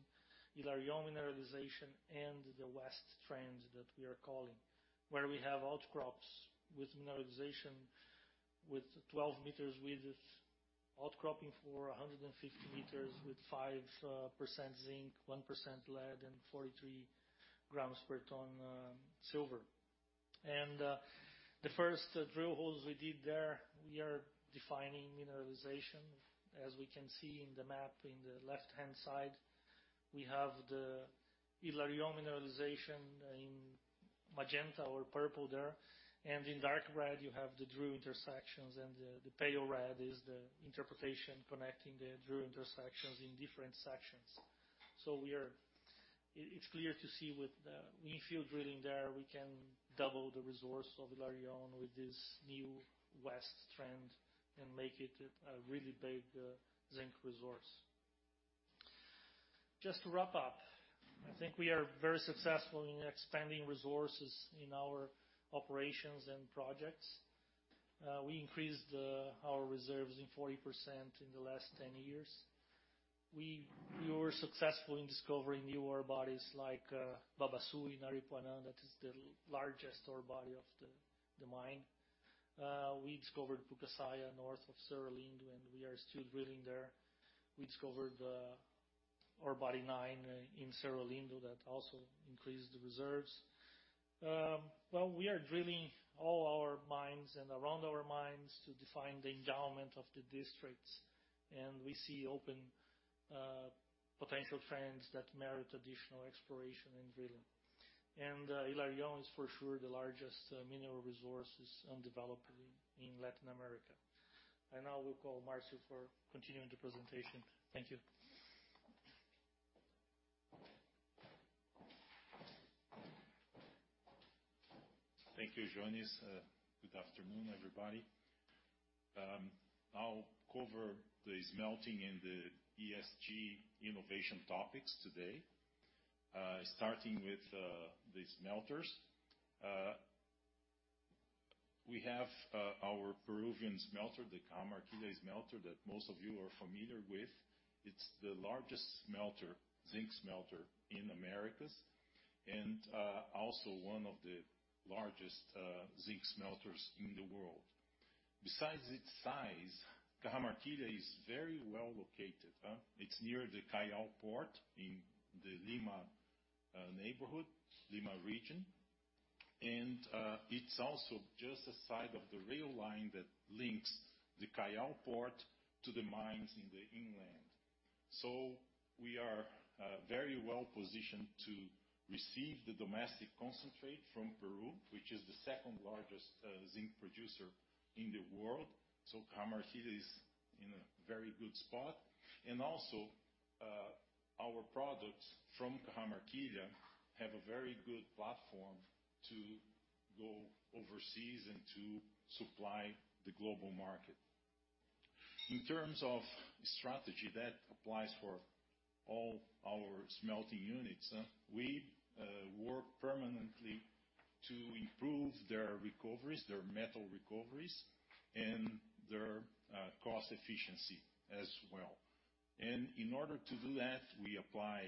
Hilarion mineralization and the west trends that we are calling, where we have outcrops with mineralization with 12 m width outcropping for 150 m with 5% zinc, 1% lead, and 43 grams per ton silver. The first drill holes we did there, we are defining mineralization. As we can see in the map in the left-hand side, we have the Hilarion mineralization in magenta or purple there. In dark red, you have the drill intersections, and the pale red is the interpretation connecting the drill intersections in different sections. It's clear to see with the infill drilling there, we can double the resource of Hilarion with this new west trend and make it a really big zinc resource. Just to wrap up, I think we are very successful in expanding resources in our operations and projects. We increased our reserves 40% in the last 10 years. We were successful in discovering new ore bodies like Babaçu in Aripuanã, that is the largest ore body of the mine. We discovered Pucasaia, north of Cerro Lindo, and we are still drilling there. We discovered Ore Body 9 in Cerro Lindo that also increased the reserves. We are drilling all our mines and around our mines to define the endowment of the districts, and we see open potential trends that merit additional exploration and drilling. Hilarion is for sure the largest mineral resources undeveloped in Latin America. Now we'll call Marcio for continuing the presentation. Thank you. Thank you, Jones. Good afternoon, everybody. I'll cover the smelting and the ESG innovation topics today. Starting with the smelters. We have our Peruvian smelter, the Cajamarquilla smelter, that most of you are familiar with. It's the largest smelter, zinc smelter in Americas and also one of the largest zinc smelters in the world. Cajamarquilla is very well located, huh? It's near the Callao Port in the Lima neighborhood, Lima region. It's also just beside the rail line that links the Callao Port to the mines in the inland. We are very well-positioned to receive the domestic concentrate from Peru, which is the second largest zinc producer in the world. Cajamarquilla is in a very good spot. Also, our products from Cajamarquilla have a very good platform to go overseas and to supply the global market. In terms of strategy that applies for all our smelting units, we work permanently to improve their recoveries, their metal recoveries, and their cost efficiency as well. In order to do that, we apply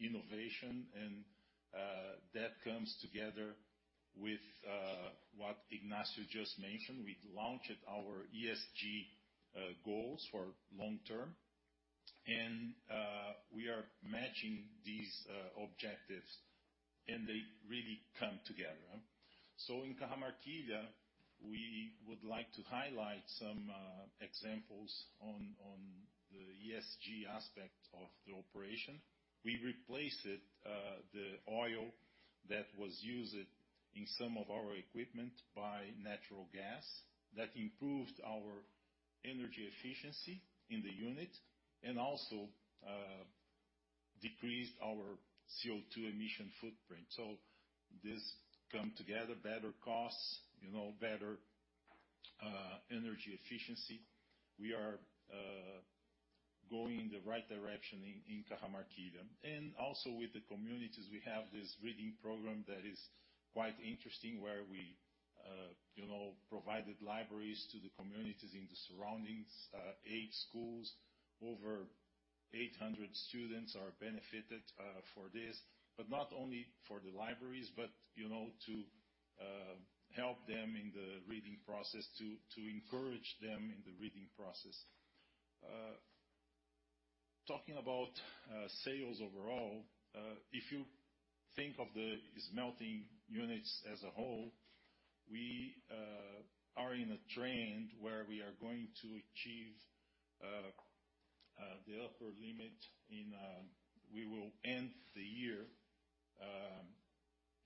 innovation and that comes together with what Ignacio just mentioned. We launched our ESG goals for long-term, and we are matching these objectives and they really come together. In Cajamarquilla, we would like to highlight some examples on the ESG aspect of the operation. We replaced the oil that was used in some of our equipment by natural gas that improved our energy efficiency in the unit and also decreased our CO2 emission footprint. This comes together better costs, you know, better energy efficiency. We are going in the right direction in Cajamarquilla. With the communities, we have this reading program that is quite interesting where we, you know, provided libraries to the communities in the surroundings. Eight schools over 800 students are benefited for this, but not only for the libraries but, you know, to help them in the reading process to encourage them in the reading process. Talking about sales overall, if you think of the smelting units as a whole, we are in a trend where we are going to achieve the upper limit. We will end the year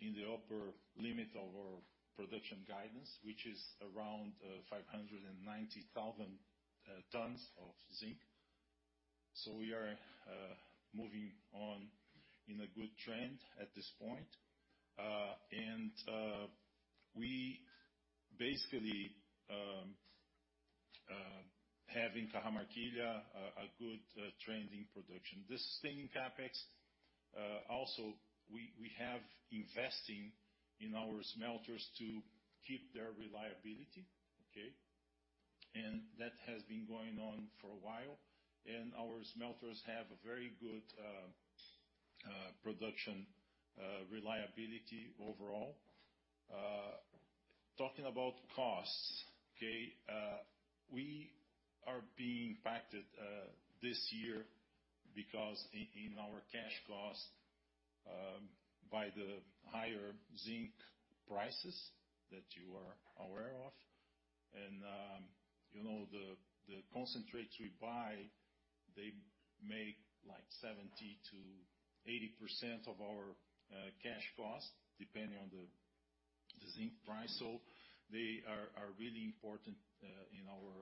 in the upper limit of our production guidance, which is around 590,000 tons of zinc. We are moving on in a good trend at this point. We basically have in Cajamarquilla a good trending production. This sustaining CapEx, also we are investing in our smelters to keep their reliability, okay. That has been going on for a while, and our smelters have a very good production reliability overall. Talking about costs, we are being impacted this year because in our cash costs by the higher zinc prices that you are aware of. You know, the concentrates we buy, they make like 70%-80% of our cash costs depending on the zinc price. They are really important in our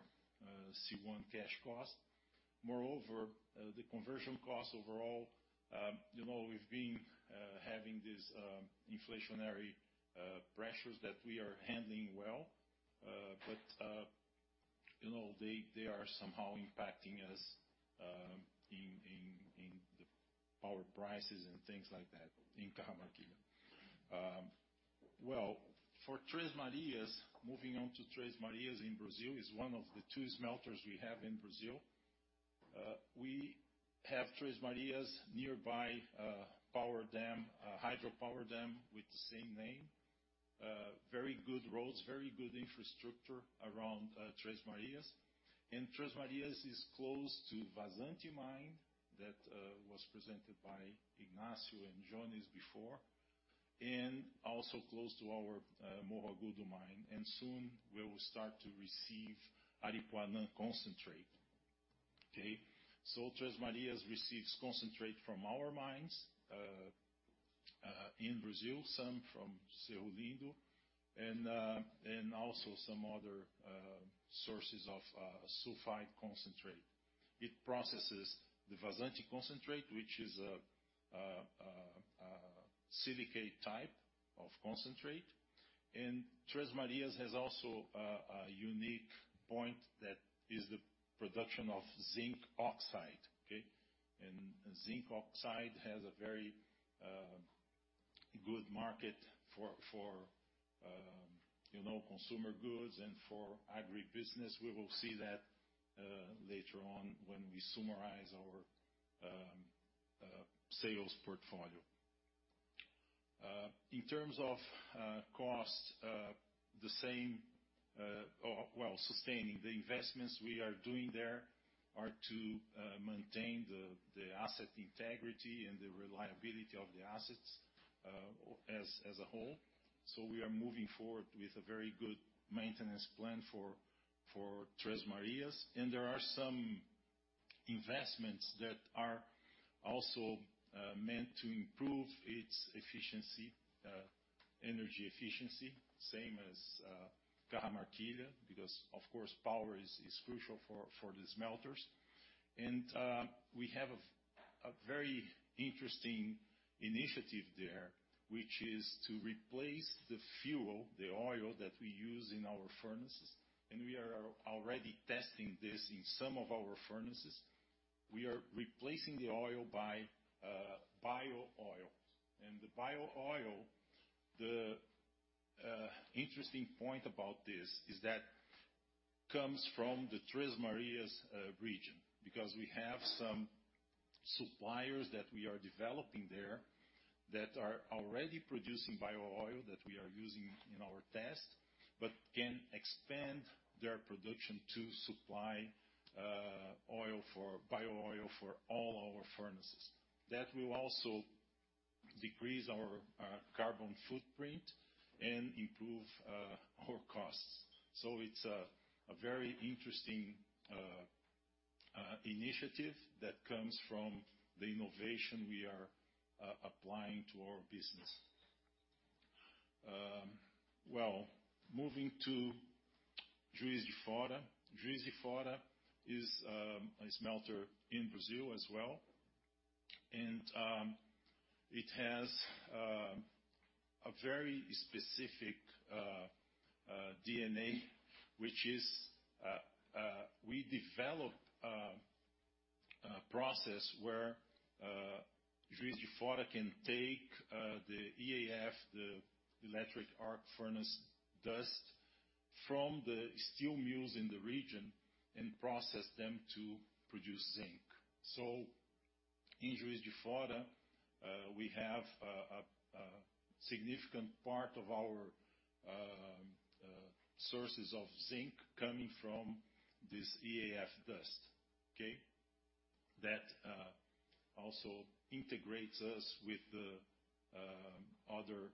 C1 cash cost. Moreover, the conversion cost overall, you know, we've been having these inflationary pressures that we are handling well, but you know, they are somehow impacting us in the power prices and things like that in Cajamarquilla. Well, for Três Marias, moving on to Três Marias in Brazil, is one of the two smelters we have in Brazil. We have Três Marias nearby power dam, hydropower dam with the same name. Very good roads, very good infrastructure around Três Marias. Três Marias is close to Vazante mine that was presented by Ignacio and Jones before, and also close to our Morro Agudo mine, and soon we will start to receive Aripuanã concentrate, okay? Três Marias receives concentrate from our mines in Brazil, some from Cerro Lindo, and also some other sources of sulfide concentrate. It processes the Vazante concentrate, which is a silicate type of concentrate. Três Marias has also a unique point that is the production of zinc oxide, okay? Zinc oxide has a very good market for you know, consumer goods and for agribusiness. We will see that later on when we summarize our sales portfolio. In terms of cost, the same, or well, sustaining the investments we are doing there are to maintain the asset integrity and the reliability of the assets as a whole. We are moving forward with a very good maintenance plan for Três Marias, and there are some investments that are also meant to improve its efficiency, energy efficiency, same as Cajamarquilla, because of course, power is crucial for the smelters. We have a very interesting initiative there, which is to replace the fuel, the oil that we use in our furnaces, and we are already testing this in some of our furnaces. We are replacing the oil by bio-oil. The bio-oil interesting point about this is that comes from the Três Marias region, because we have some suppliers that we are developing there that are already producing bio-oil that we are using in our test, but can expand their production to supply oil for bio-oil for all our furnaces. That will also decrease our carbon footprint and improve our costs. It's a very interesting initiative that comes from the innovation we are applying to our business. Moving to Juiz de Fora. Juiz de Fora is a smelter in Brazil as well. It has a very specific DNA, which is we developed a process where Juiz de Fora can take the EAF, the electric arc furnace dust from the steel mills in the region and process them to produce zinc. In Juiz de Fora, we have a significant part of our sources of zinc coming from this EAF dust. Okay? That also integrates us with the other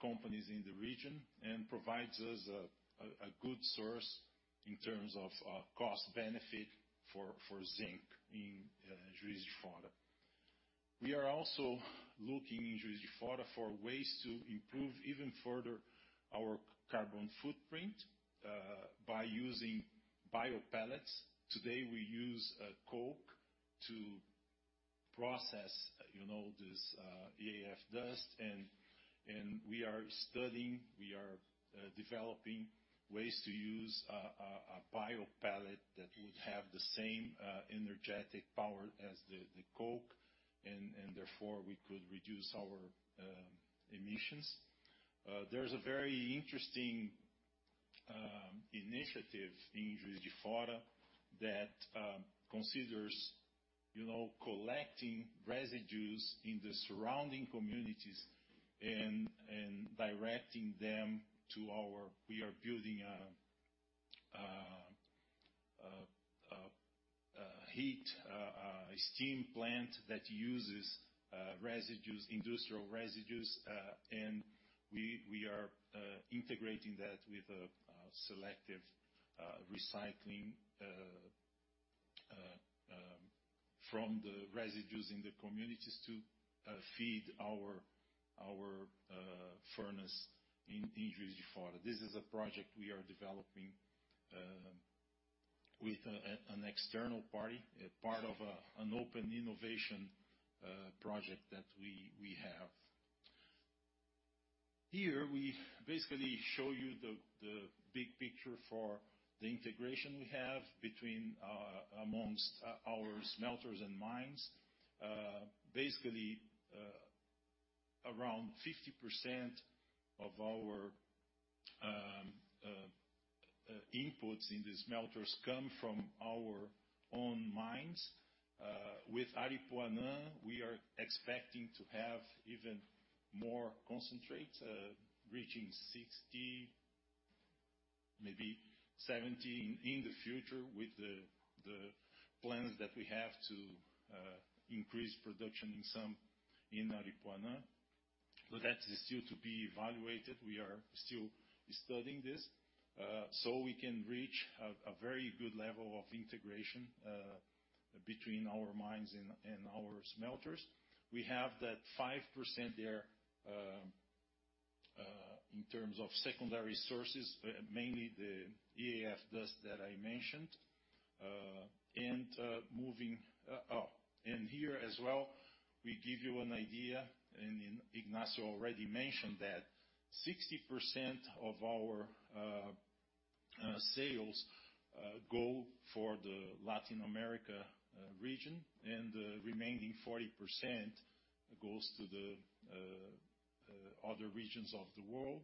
companies in the region and provides us a good source in terms of cost benefit for zinc in Juiz de Fora. We are also looking in Juiz de Fora for ways to improve even further our carbon footprint by using bio pellets. Today, we use coke to process, you know, this EAF dust and we are studying and developing ways to use a bio pellet that would have the same energetic power as the coke and therefore we could reduce our emissions. There's a very interesting initiative in Juiz de Fora that considers you know collecting residues in the surrounding communities. We are building a steam plant that uses residues, industrial residues, and we are integrating that with a selective recycling from the residues in the communities to feed our furnace in Juiz de Fora. This is a project we are developing with an external party as part of an open innovation project that we have. Here we basically show you the big picture for the integration we have amongst our smelters and mines. Basically, around 50% of our inputs in the smelters come from our own mines. With Aripuanã, we are expecting to have even more concentrate, reaching 60%-70% in the future with the plans that we have to increase production in Aripuanã. That is still to be evaluated. We are still studying this, so we can reach a very good level of integration between our mines and our smelters. We have that 5% there, in terms of secondary sources, mainly the EAF dust that I mentioned. Here as well, we give you an idea, and then Ignacio already mentioned that 60% of our sales go for the Latin America region, and the remaining 40% goes to the other regions of the world.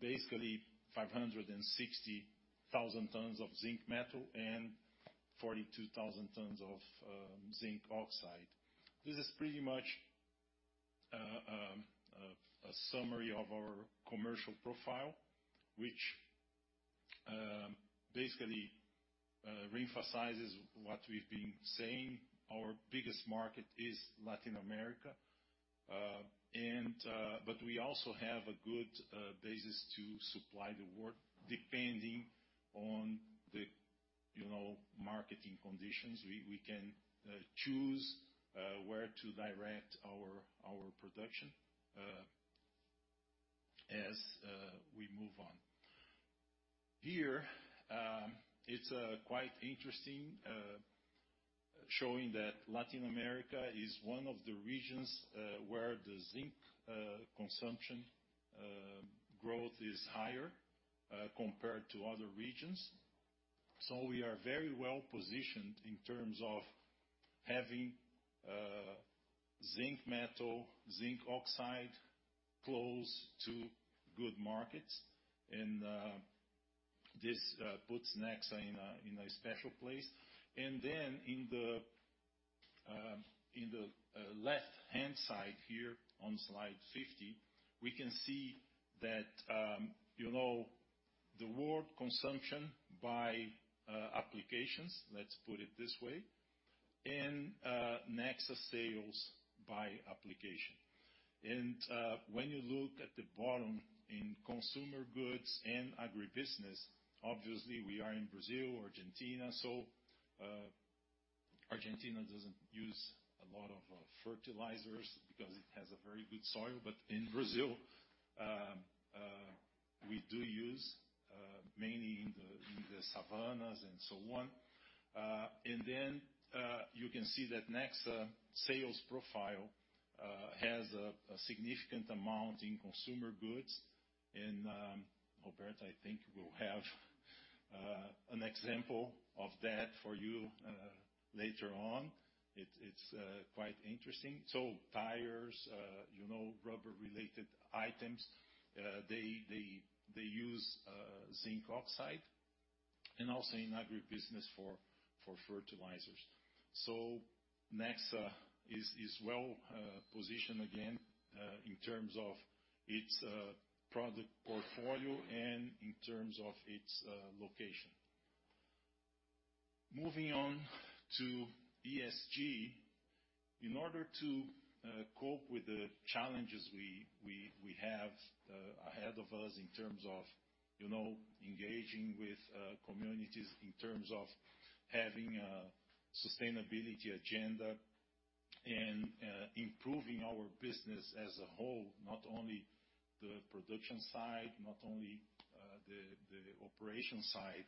Basically 560,000 tons of zinc metal and 42,000 tons of zinc oxide. This is pretty much a summary of our commercial profile, which basically re-emphasizes what we've been saying. Our biggest market is Latin America. We also have a good basis to supply the world, depending on the, you know, market conditions. We can choose where to direct our production as we move on. Here, it's quite interesting, showing that Latin America is one of the regions where the zinc consumption growth is higher compared to other regions. We are very well-positioned in terms of having zinc metal, zinc oxide, close to good markets. This puts Nexa in a special place. In the left-hand side here on slide 50, we can see that, you know, the world consumption by applications, let's put it this way, and Nexa sales by application. When you look at the bottom in consumer goods and agribusiness, obviously we are in Brazil, Argentina. Argentina doesn't use a lot of fertilizers because it has a very good soil. In Brazil, we do use mainly in the savannas and so on. Then, you can see that Nexa sales profile has a significant amount in consumer goods. Roberta, I think, will have an example of that for you later on. It's quite interesting. Tires, you know, rubber-related items, they use zinc oxide and also in agribusiness for fertilizers. Nexa is well positioned again in terms of its product portfolio and in terms of its location. Moving on to ESG. In order to cope with the challenges we have ahead of us in terms of, you know, engaging with communities, in terms of having a sustainability agenda and improving our business as a whole, not only the production side, not only the operation side,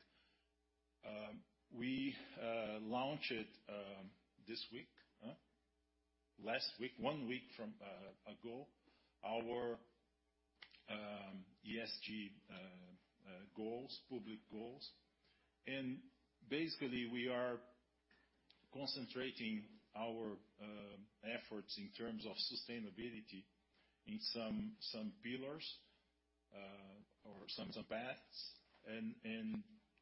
we launched last week, one week ago, our ESG goals, public goals. Basically, we are concentrating our efforts in terms of sustainability in some pillars or some paths.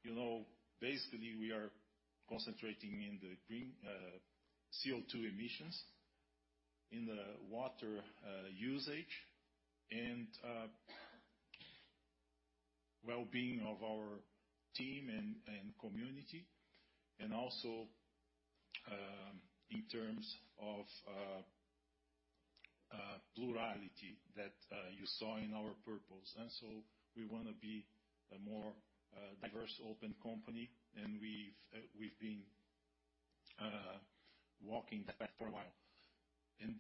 You know, basically, we are concentrating in the green CO2 emissions, in the water usage, and well-being of our team and community, and also in terms of plurality that you saw in our purpose. We wanna be a more diverse, open company, and we've been walking that for a while.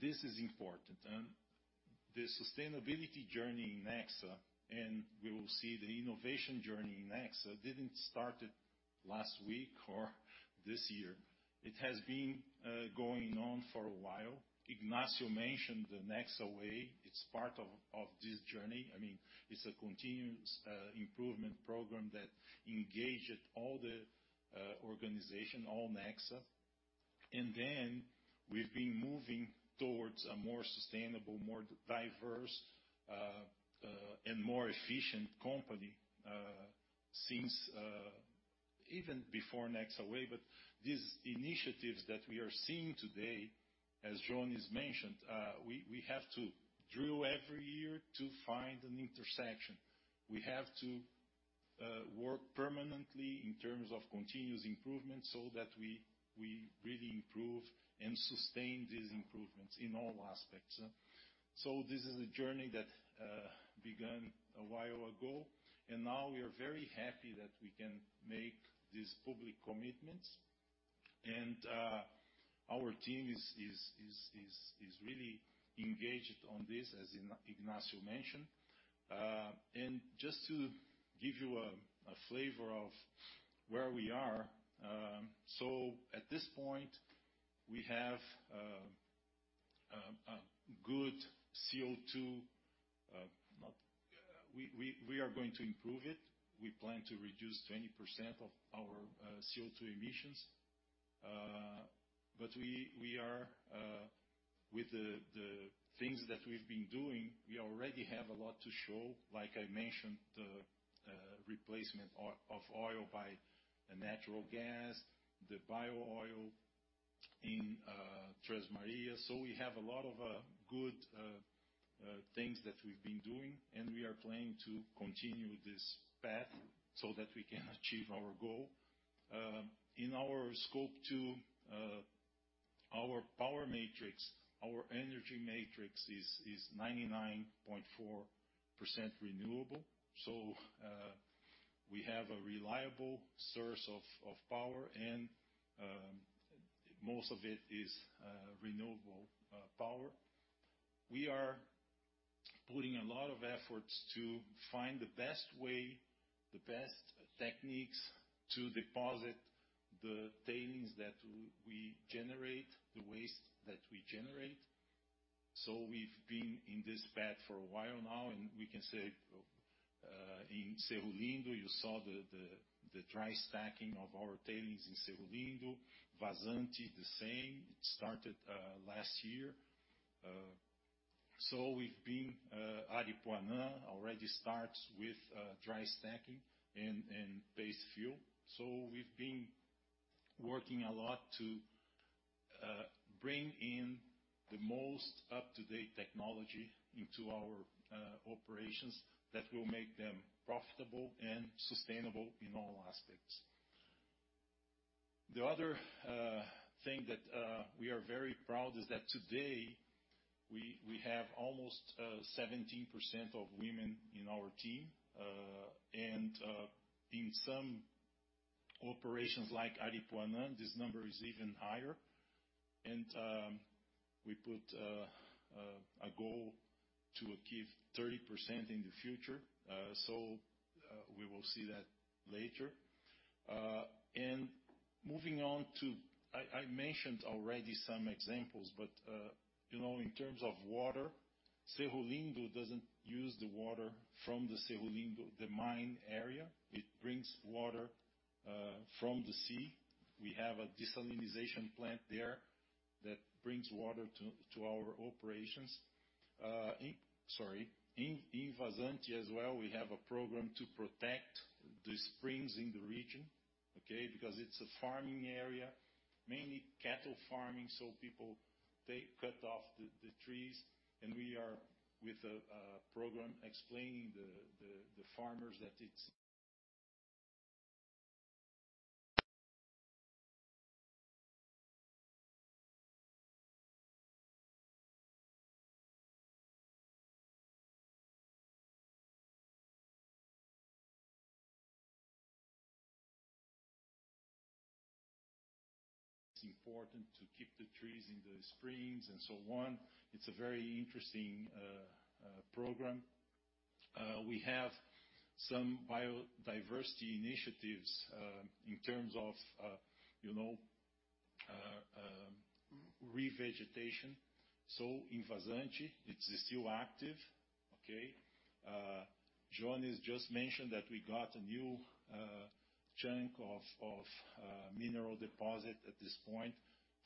This is important. The sustainability journey in Nexa, and we will see the innovation journey in Nexa, didn't start last week or this year. It has been going on for a while. Ignacio mentioned the Nexa Way. It's part of this journey. I mean, it's a continuous improvement program that engaged all the organization, all Nexa. We've been moving towards a more sustainable, more diverse and more efficient company since even before Nexa Way. These initiatives that we are seeing today, as Jones mentioned, we have to drill every year to find an intersection. We have to work permanently in terms of continuous improvement so that we really improve and sustain these improvements in all aspects. This is a journey that began a while ago, and now we are very happy that we can make these public commitments. Our team is really engaged on this, as Ignacio mentioned. Just to give you a flavor of where we are, at this point, we have a good CO2. We are going to improve it. We plan to reduce 20% of our CO2 emissions. We are with the things that we've been doing, we already have a lot to show. Like I mentioned, replacement of oil by a natural gas, the bio-oil in Três Marias. We have a lot of good things that we've been doing, and we are planning to continue this path so that we can achieve our goal. In our Scope 2, our power matrix, our energy matrix is 99.4% renewable. We have a reliable source of power and most of it is renewable power. We are putting a lot of efforts to find the best way, the best techniques to deposit the tailings that we generate, the waste that we generate. We've been in this path for a while now, and we can say in Cerro Lindo, you saw the dry stacking of our tailings in Cerro Lindo. Vazante the same, it started last year. Aripuanã already starts with dry stacking and biofuel. We've been working a lot to bring in the most up-to-date technology into our operations that will make them profitable and sustainable in all aspects. The other thing that we are very proud is that today we have almost 17% of women in our team. In some operations like Aripuanã, this number is even higher. We put a goal to achieve 30% in the future. We will see that later. Moving on. I mentioned already some examples, but you know, in terms of water, Cerro Lindo doesn't use the water from the Cerro Lindo, the mine area. It brings water from the sea. We have a desalination plant there that brings water to our operations. In Vazante as well, we have a program to protect the springs in the region, okay? Because it's a farming area, mainly cattle farming, so people, they cut off the trees, and we are with a program explaining the farmers that it's important to keep the trees in the springs and so on. It's a very interesting program. We have some biodiversity initiatives in terms of you know revegetation. In Vazante it's still active, okay? Joens has just mentioned that we got a new chunk of mineral deposit at this point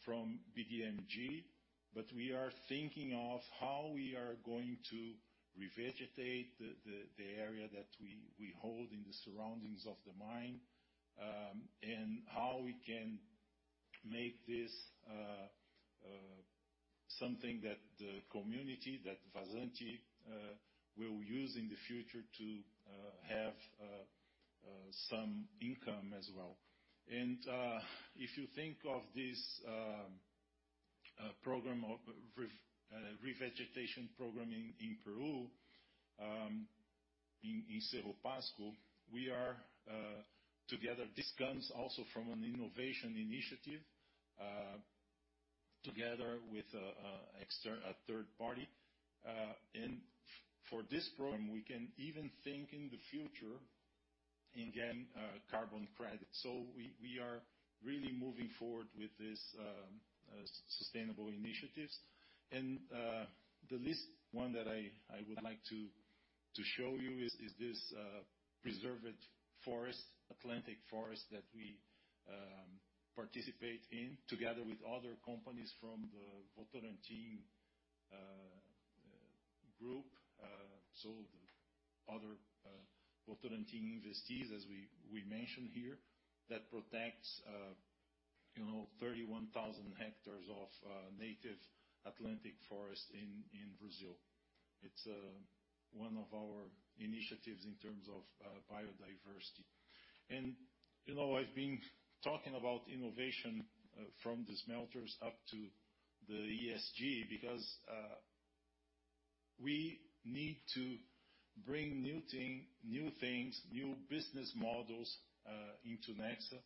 from BDMG. We are thinking of how we are going to revegetate the area that we hold in the surroundings of the mine, and how we can make this something that the community, that Vazante, will use in the future to have some income as well. If you think of this revegetation program in Peru, in Cerro de Pasco, we are together. This comes also from an innovation initiative together with a third party. For this program, we can even think in the future and gain carbon credit. We are really moving forward with this sustainable initiatives. The least one that I would like to show you is this preserved forest, Atlantic Forest that we participate in together with other companies from the Votorantim group. Other Votorantim investees, as we mentioned here, that protects you know 31,000 ha of native Atlantic Forest in Brazil. It's one of our initiatives in terms of biodiversity. You know, I've been talking about innovation from the smelters up to the ESG because we need to bring new things, new business models into Nexa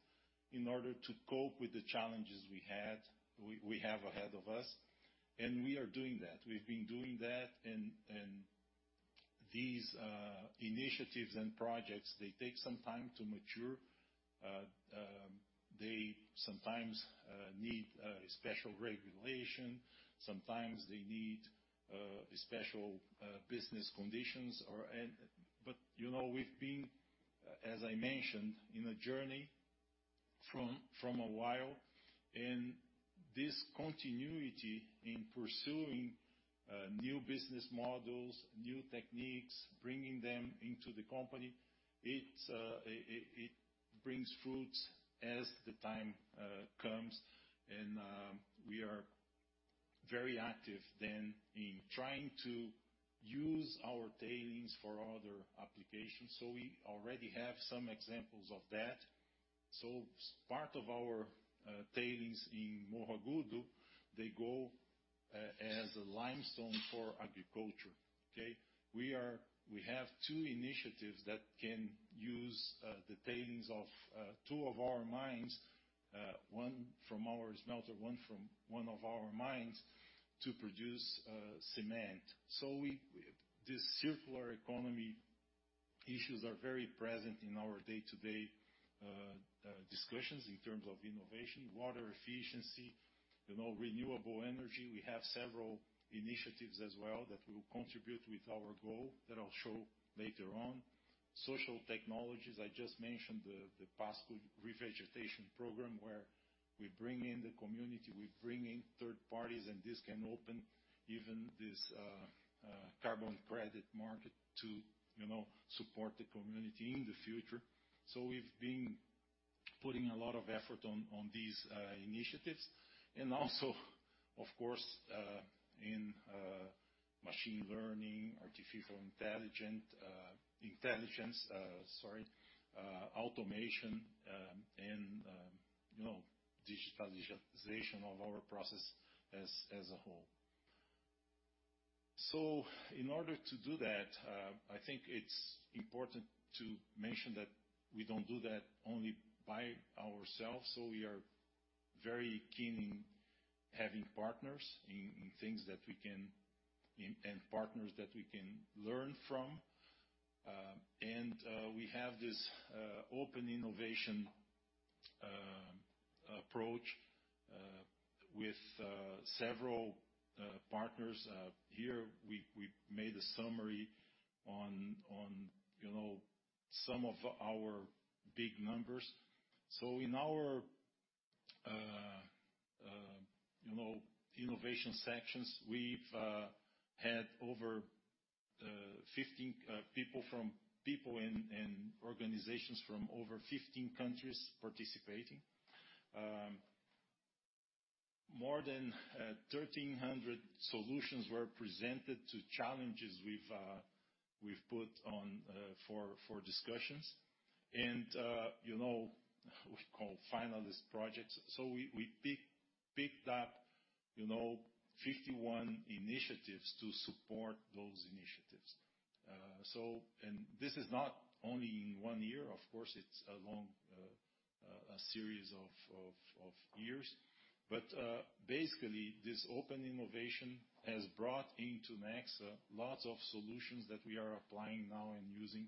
in order to cope with the challenges we have ahead of us. We are doing that. We've been doing that and these initiatives and projects, they take some time to mature. They sometimes need special regulation. Sometimes they need special business conditions. You know, we've been, as I mentioned, in a journey from a while, and this continuity in pursuing new business models, new techniques, bringing them into the company, it brings fruits as the time comes. We are very active in trying to use our tailings for other applications. We already have some examples of that. Part of our tailings in Morro Agudo, they go as a limestone for agriculture. Okay. We have two initiatives that can use the tailings of two of our mines, one from our smelter, one from one of our mines, to produce cement. These circular economy issues are very present in our day-to-day discussions in terms of innovation, water efficiency, you know, renewable energy. We have several initiatives as well that will contribute with our goal that I'll show later on. Social technologies, I just mentioned the Pasco revegetation program where we bring in the community, we bring in third parties, and this can open even this carbon credit market to, you know, support the community in the future. We've been putting a lot of effort on these initiatives and also, of course, in machine learning, artificial intelligence, sorry, automation, and, you know, digitalization of our process as a whole. In order to do that, I think it's important to mention that we don't do that only by ourselves. We are very keen in having partners in things that we can and partners that we can learn from. We have this open innovation approach with several partners. Here we made a summary on you know some of our big numbers. In our innovation sections we've had over 15 people and organizations from over 15 countries participating. More than 1,300 solutions were presented to challenges we've put on for discussions. You know we call finalist projects. We picked up you know 51 initiatives to support those initiatives. This is not only in one year of course it's a long series of years. basically this open innovation has brought into Nexa lots of solutions that we are applying now and using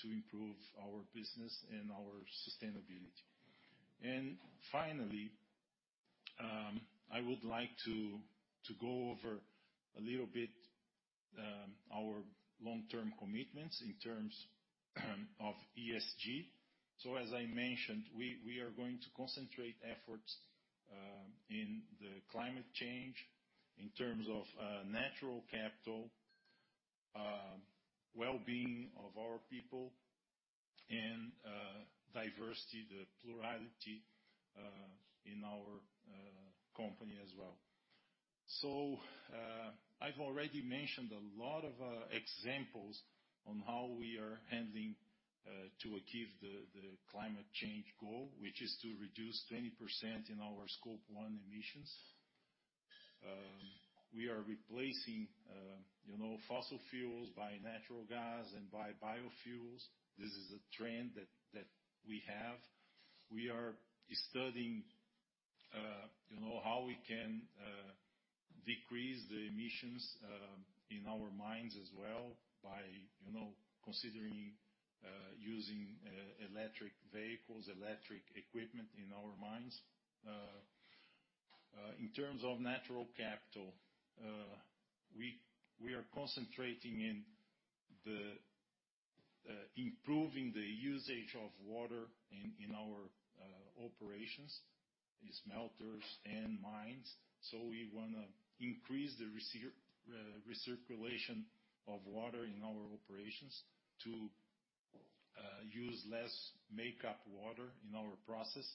to improve our business and our sustainability. Finally, I would like to go over a little bit our long-term commitments in terms of ESG. As I mentioned, we are going to concentrate efforts in the climate change in terms of natural capital, well-being of our people and diversity, the plurality in our company as well. I've already mentioned a lot of examples on how we are handling to achieve the climate change goal, which is to reduce 20% in our Scope 1 emissions. We are replacing you know, fossil fuels by natural gas and by biofuels. This is a trend that we have. We are studying, you know, how we can decrease the emissions in our mines as well by, you know, considering using electric vehicles, electric equipment in our mines. In terms of natural capital, we are concentrating on improving the usage of water in our operations, the smelters and mines. We wanna increase the recirculation of water in our operations to use less makeup water in our process.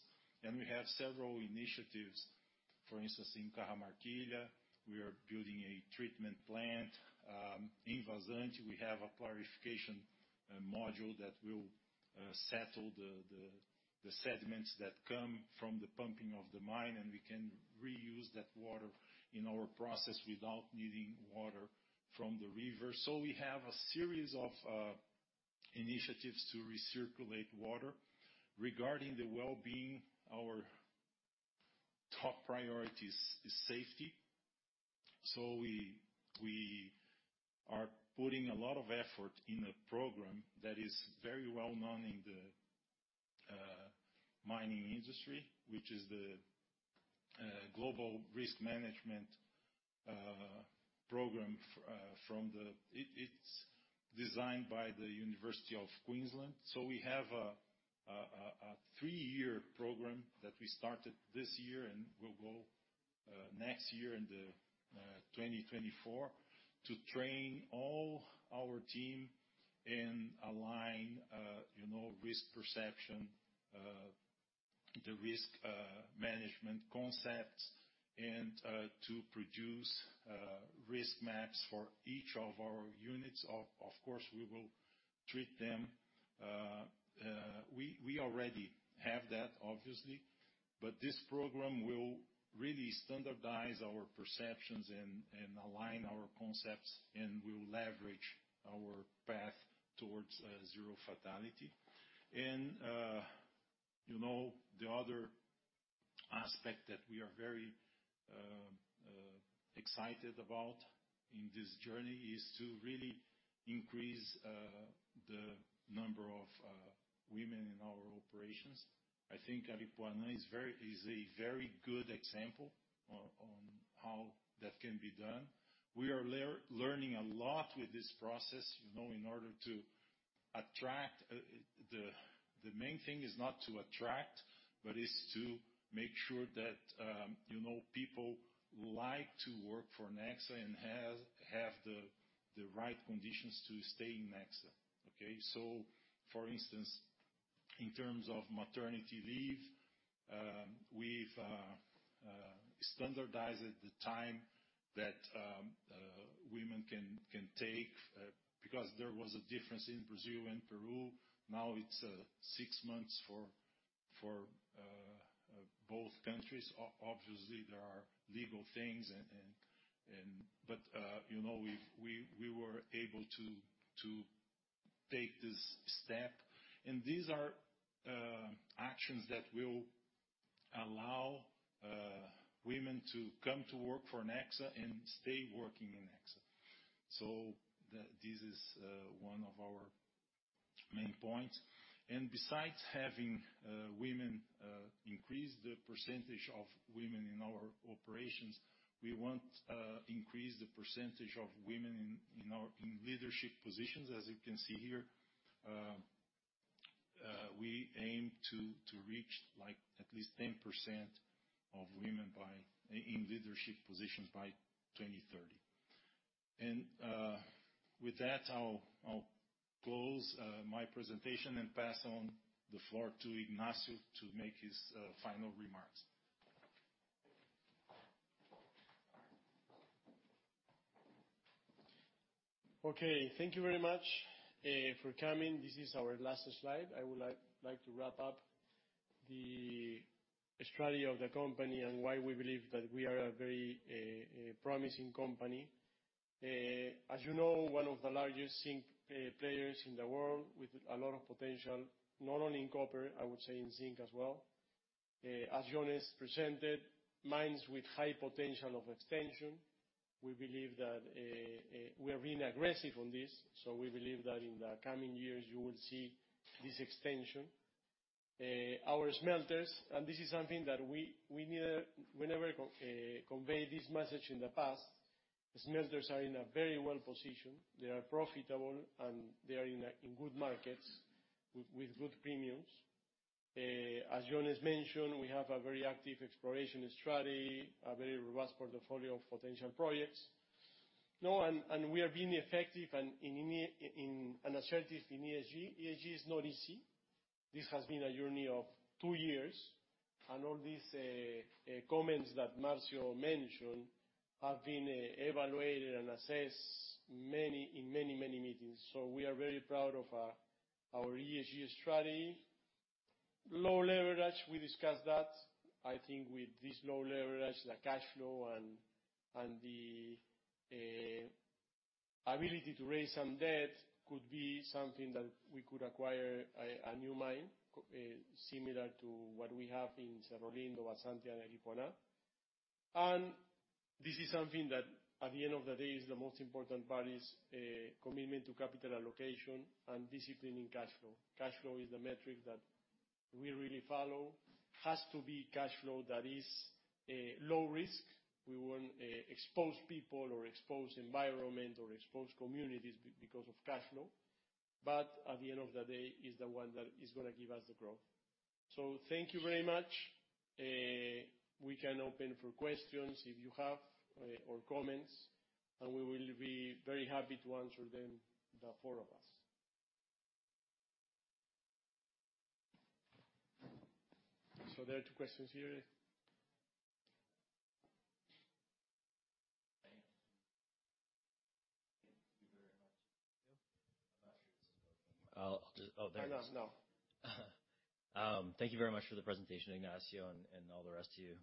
We have several initiatives. For instance, in Cajamarquilla, we are building a treatment plant. In Vazante, we have a clarification module that will settle the sediments that come from the pumping of the mine, and we can reuse that water in our process without needing water from the river. We have a series of initiatives to recirculate water. Regarding the well-being, our top priority is safety. We are putting a lot of effort in a program that is very well-known in the mining industry, which is the Global Minerals Industry Risk Management program from the University of Queensland. It's designed by the University of Queensland. We have a three-year program that we started this year and will go next year in 2024 to train all our team and align you know risk perception the risk management concepts and to produce risk maps for each of our units. Of course, we will treat them. We already have that, obviously. This program will really standardize our perceptions and align our concepts, and will leverage our path towards zero fatality. You know, the other aspect that we are very excited about in this journey is to really increase the number of women in our operations. I think Aripuanã is a very good example on how that can be done. We are learning a lot with this process, you know, in order to attract. The main thing is not to attract, but is to make sure that, you know, people like to work for Nexa and have the right conditions to stay in Nexa. Okay. For instance, in terms of maternity leave, we've standardized the time that women can take, because there was a difference in Brazil and Peru. Now it's six months for both countries. Obviously, there are legal things and. you know, we were able to take this step, and these are actions that will allow women to come to work for Nexa and stay working in Nexa. This is one of our main points. Besides having women, increase the percentage of women in our operations, we want increase the percentage of women in our leadership positions. As you can see here, we aim to reach, like, at least 10% of women in leadership positions by 2030. With that, I'll close my presentation and pass on the floor to Ignacio to make his final remarks. Okay. Thank you very much for coming. This is our last slide. I would like to wrap up the strategy of the company and why we believe that we are a very promising company. As you know, one of the largest zinc players in the world with a lot of potential, not only in copper, I would say in zinc as well. As Jones presented, mines with high potential of extension, we believe that we are being aggressive on this, so we believe that in the coming years you will see this extension. Our smelters, and this is something that we never conveyed this message in the past. The smelters are in a very well position. They are profitable, and they are in good markets with good premiums. As Jones mentioned, we have a very active exploration strategy, a very robust portfolio of potential projects. You know, we are being effective and assertive in ESG. ESG is not easy. This has been a journey of two years, and all these comments that Marcio mentioned have been evaluated and assessed in many meetings. We are very proud of our ESG strategy. Low leverage, we discussed that. I think with this low leverage, the cash flow and the ability to raise some debt could be something that we could acquire a new mine similar to what we have in Cerro Lindo or Santiago or Aripuanã. This is something that, at the end of the day, is the most important part, is commitment to capital allocation and disciplining cash flow. Cash flow is the metric that we really follow. Has to be cash flow that is low risk. We won't expose people or expose environment or expose communities because of cash flow. But at the end of the day, it's the one that is gonna give us the growth. Thank you very much. We can open for questions if you have or comments, and we will be very happy to answer them, the four of us. There are two questions here. Thank you very much. Thank you. I'm not sure this is working. Oh, there it is. No, no. Thank you very much for the presentation, Ignacio and all the rest of you.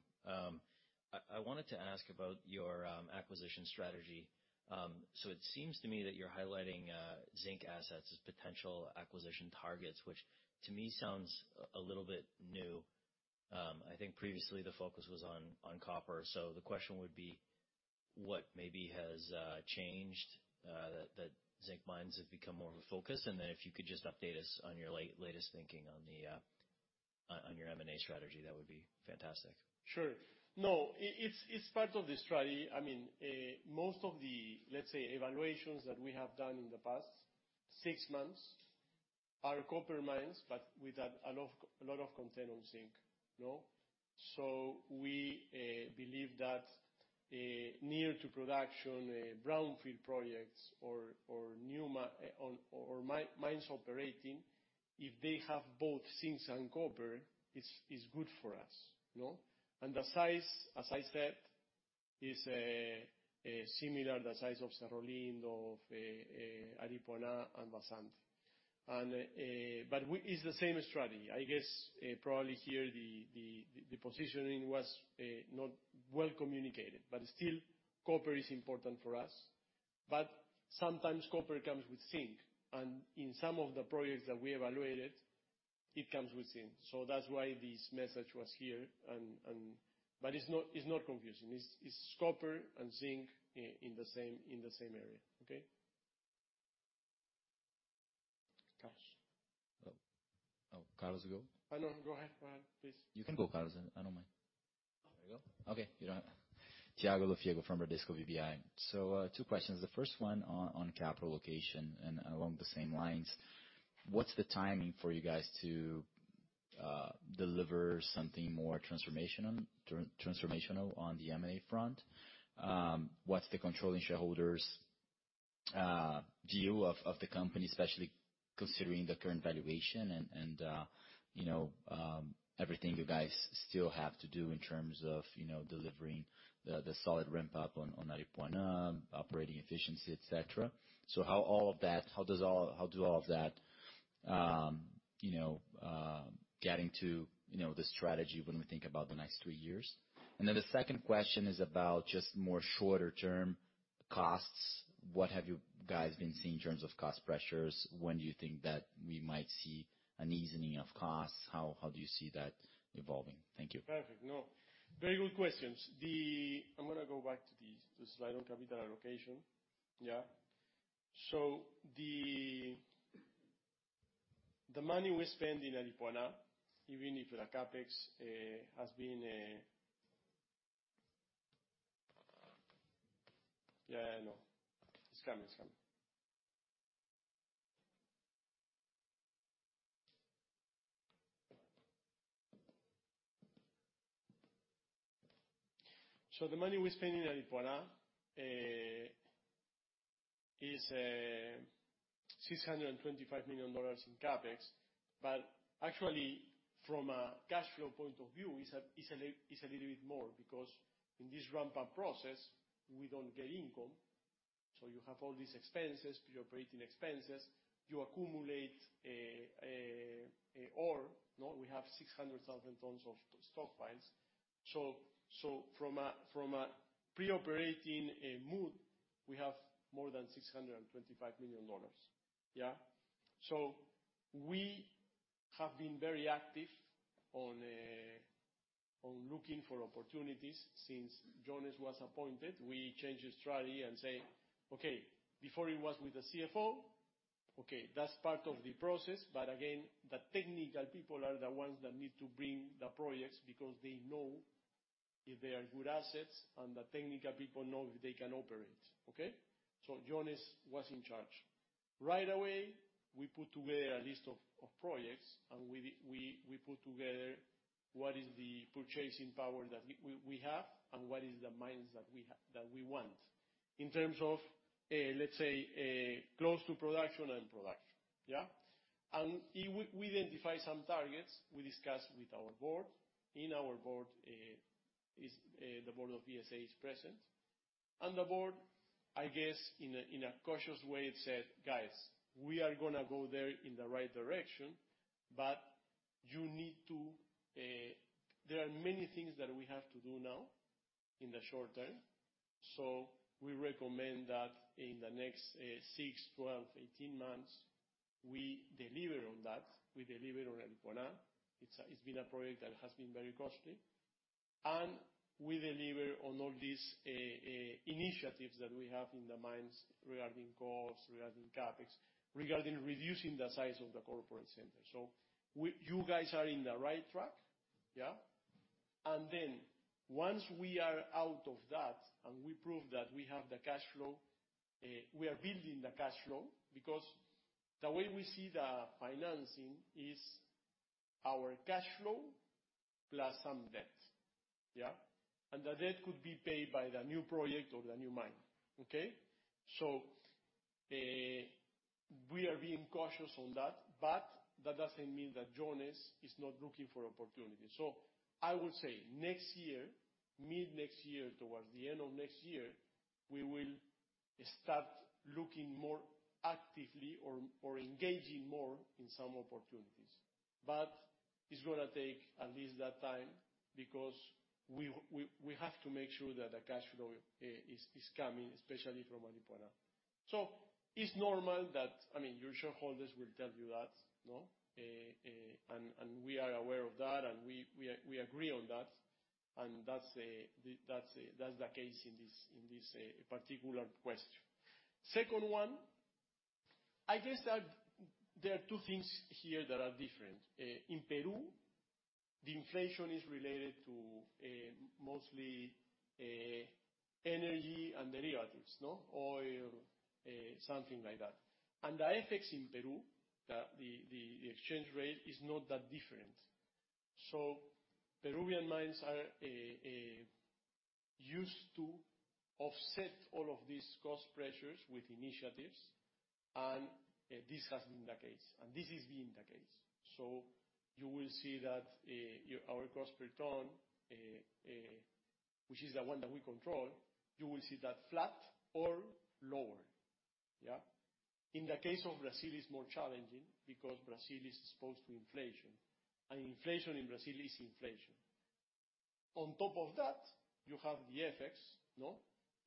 I wanted to ask about your acquisition strategy. It seems to me that you're highlighting zinc assets as potential acquisition targets, which to me sounds a little bit new. I think previously the focus was on copper. The question would be what maybe has changed that zinc mines have become more of a focus? Then if you could just update us on your latest thinking on your M&A strategy, that would be fantastic. Sure. No, it's part of the strategy. I mean, most of the, let's say, evaluations that we have done in the past six months are copper mines, but with a lot of content on zinc. No? We believe that near to production brownfield projects or new mines operating, if they have both zinc and copper, it's good for us, you know? The size, as I said, is similar to the size of Cerro Lindo, of Aripuanã and Vazante. It's the same strategy. I guess, probably here, the positioning was not well communicated, but still copper is important for us. Sometimes copper comes with zinc, and in some of the projects that we evaluated, it comes with zinc. That's why this message was here. But it's not confusing. It's copper and zinc in the same area. Okay? Gotcha. Carlos, go. No. Go ahead, please. You can go, Carlos. I don't mind. There you go. Okay. You know, Thiago Lofiego from Bradesco BBI. Two questions. The first one on capital allocation and along the same lines, what is the timing for you guys to deliver something more transformational on the M&A front? What is the controlling shareholder's view of the company, especially considering the current valuation and you know, everything you guys still have to do in terms of you know, delivering the solid ramp up on Aripuanã, operating efficiency, et cetera. How does all of that you know, getting to you know, the strategy when we think about the next three years? The second question is about just more shorter term costs. What have you guys been seeing in terms of cost pressures? When do you think that we might see an easing of costs? How do you see that evolving? Thank you. Perfect. No, very good questions. I'm gonna go back to the slide on capital allocation. Yeah. The money we spend in Aripuanã, even if the CapEx has been. Yeah, I know. It's coming, it's coming. The money we spend in Aripuanã is $625 million in CapEx. But actually from a cash flow point of view, it's a little bit more because in this ramp up process, we don't get income. You have all these expenses, pre-operating expenses. You accumulate ore, no? We have 600,000 tons of stockpiles. From a pre-operating mode, we have more than $625 million. Yeah? We have been very active on looking for opportunities since Jones was appointed. We changed his strategy and say, "Okay, before it was with the CFO. Okay, that's part of the process." Again, the technical people are the ones that need to bring the projects because they know if they are good assets, and the technical people know if they can operate. Okay? Jones was in charge. Right away, we put together a list of projects and we put together what is the purchasing power that we have and what is the mines that we want in terms of, let's say, close to production and production. Yeah? We identify some targets we discussed with our board. In our board, the board of VSA is present. The board, I guess, in a cautious way, it said, "Guys, we are gonna go there in the right direction, but you need to..." There are many things that we have to do now in the short term. We recommend that in the next six, 12, 18 months, we deliver on that. We deliver on Aripuanã. It's been a project that has been very costly. We deliver on all these initiatives that we have in the mines regarding costs, regarding CapEx, regarding reducing the size of the corporate center. You guys are in the right track. Yeah? Then once we are out of that, and we prove that we have the cash flow, we are building the cash flow. Because the way we see the financing is our cash flow plus some debt. Yeah? The debt could be paid by the new project or the new mine. Okay? We are being cautious on that, but that doesn't mean that Jones is not looking for opportunities. I would say next year, mid next year, towards the end of next year, we will start looking more actively or engaging more in some opportunities. But it's gonna take at least that time. Because we have to make sure that the cash flow is coming, especially from Aripuanã. It's normal that, I mean, your shareholders will tell you that, no? We are aware of that, and we agree on that. That's the case in this particular question. Second one, I guess that there are two things here that are different. In Peru, the inflation is related to mostly energy and derivatives, no? Oil, something like that. The FX in Peru, the exchange rate is not that different. Peruvian mines are used to offset all of these cost pressures with initiatives, and this has been the case. You will see that our cost per ton, which is the one that we control, you will see that flat or lower. Yeah? In the case of Brazil, it's more challenging because Brazil is exposed to inflation, and inflation in Brazil is inflation. On top of that, you have the FX, no?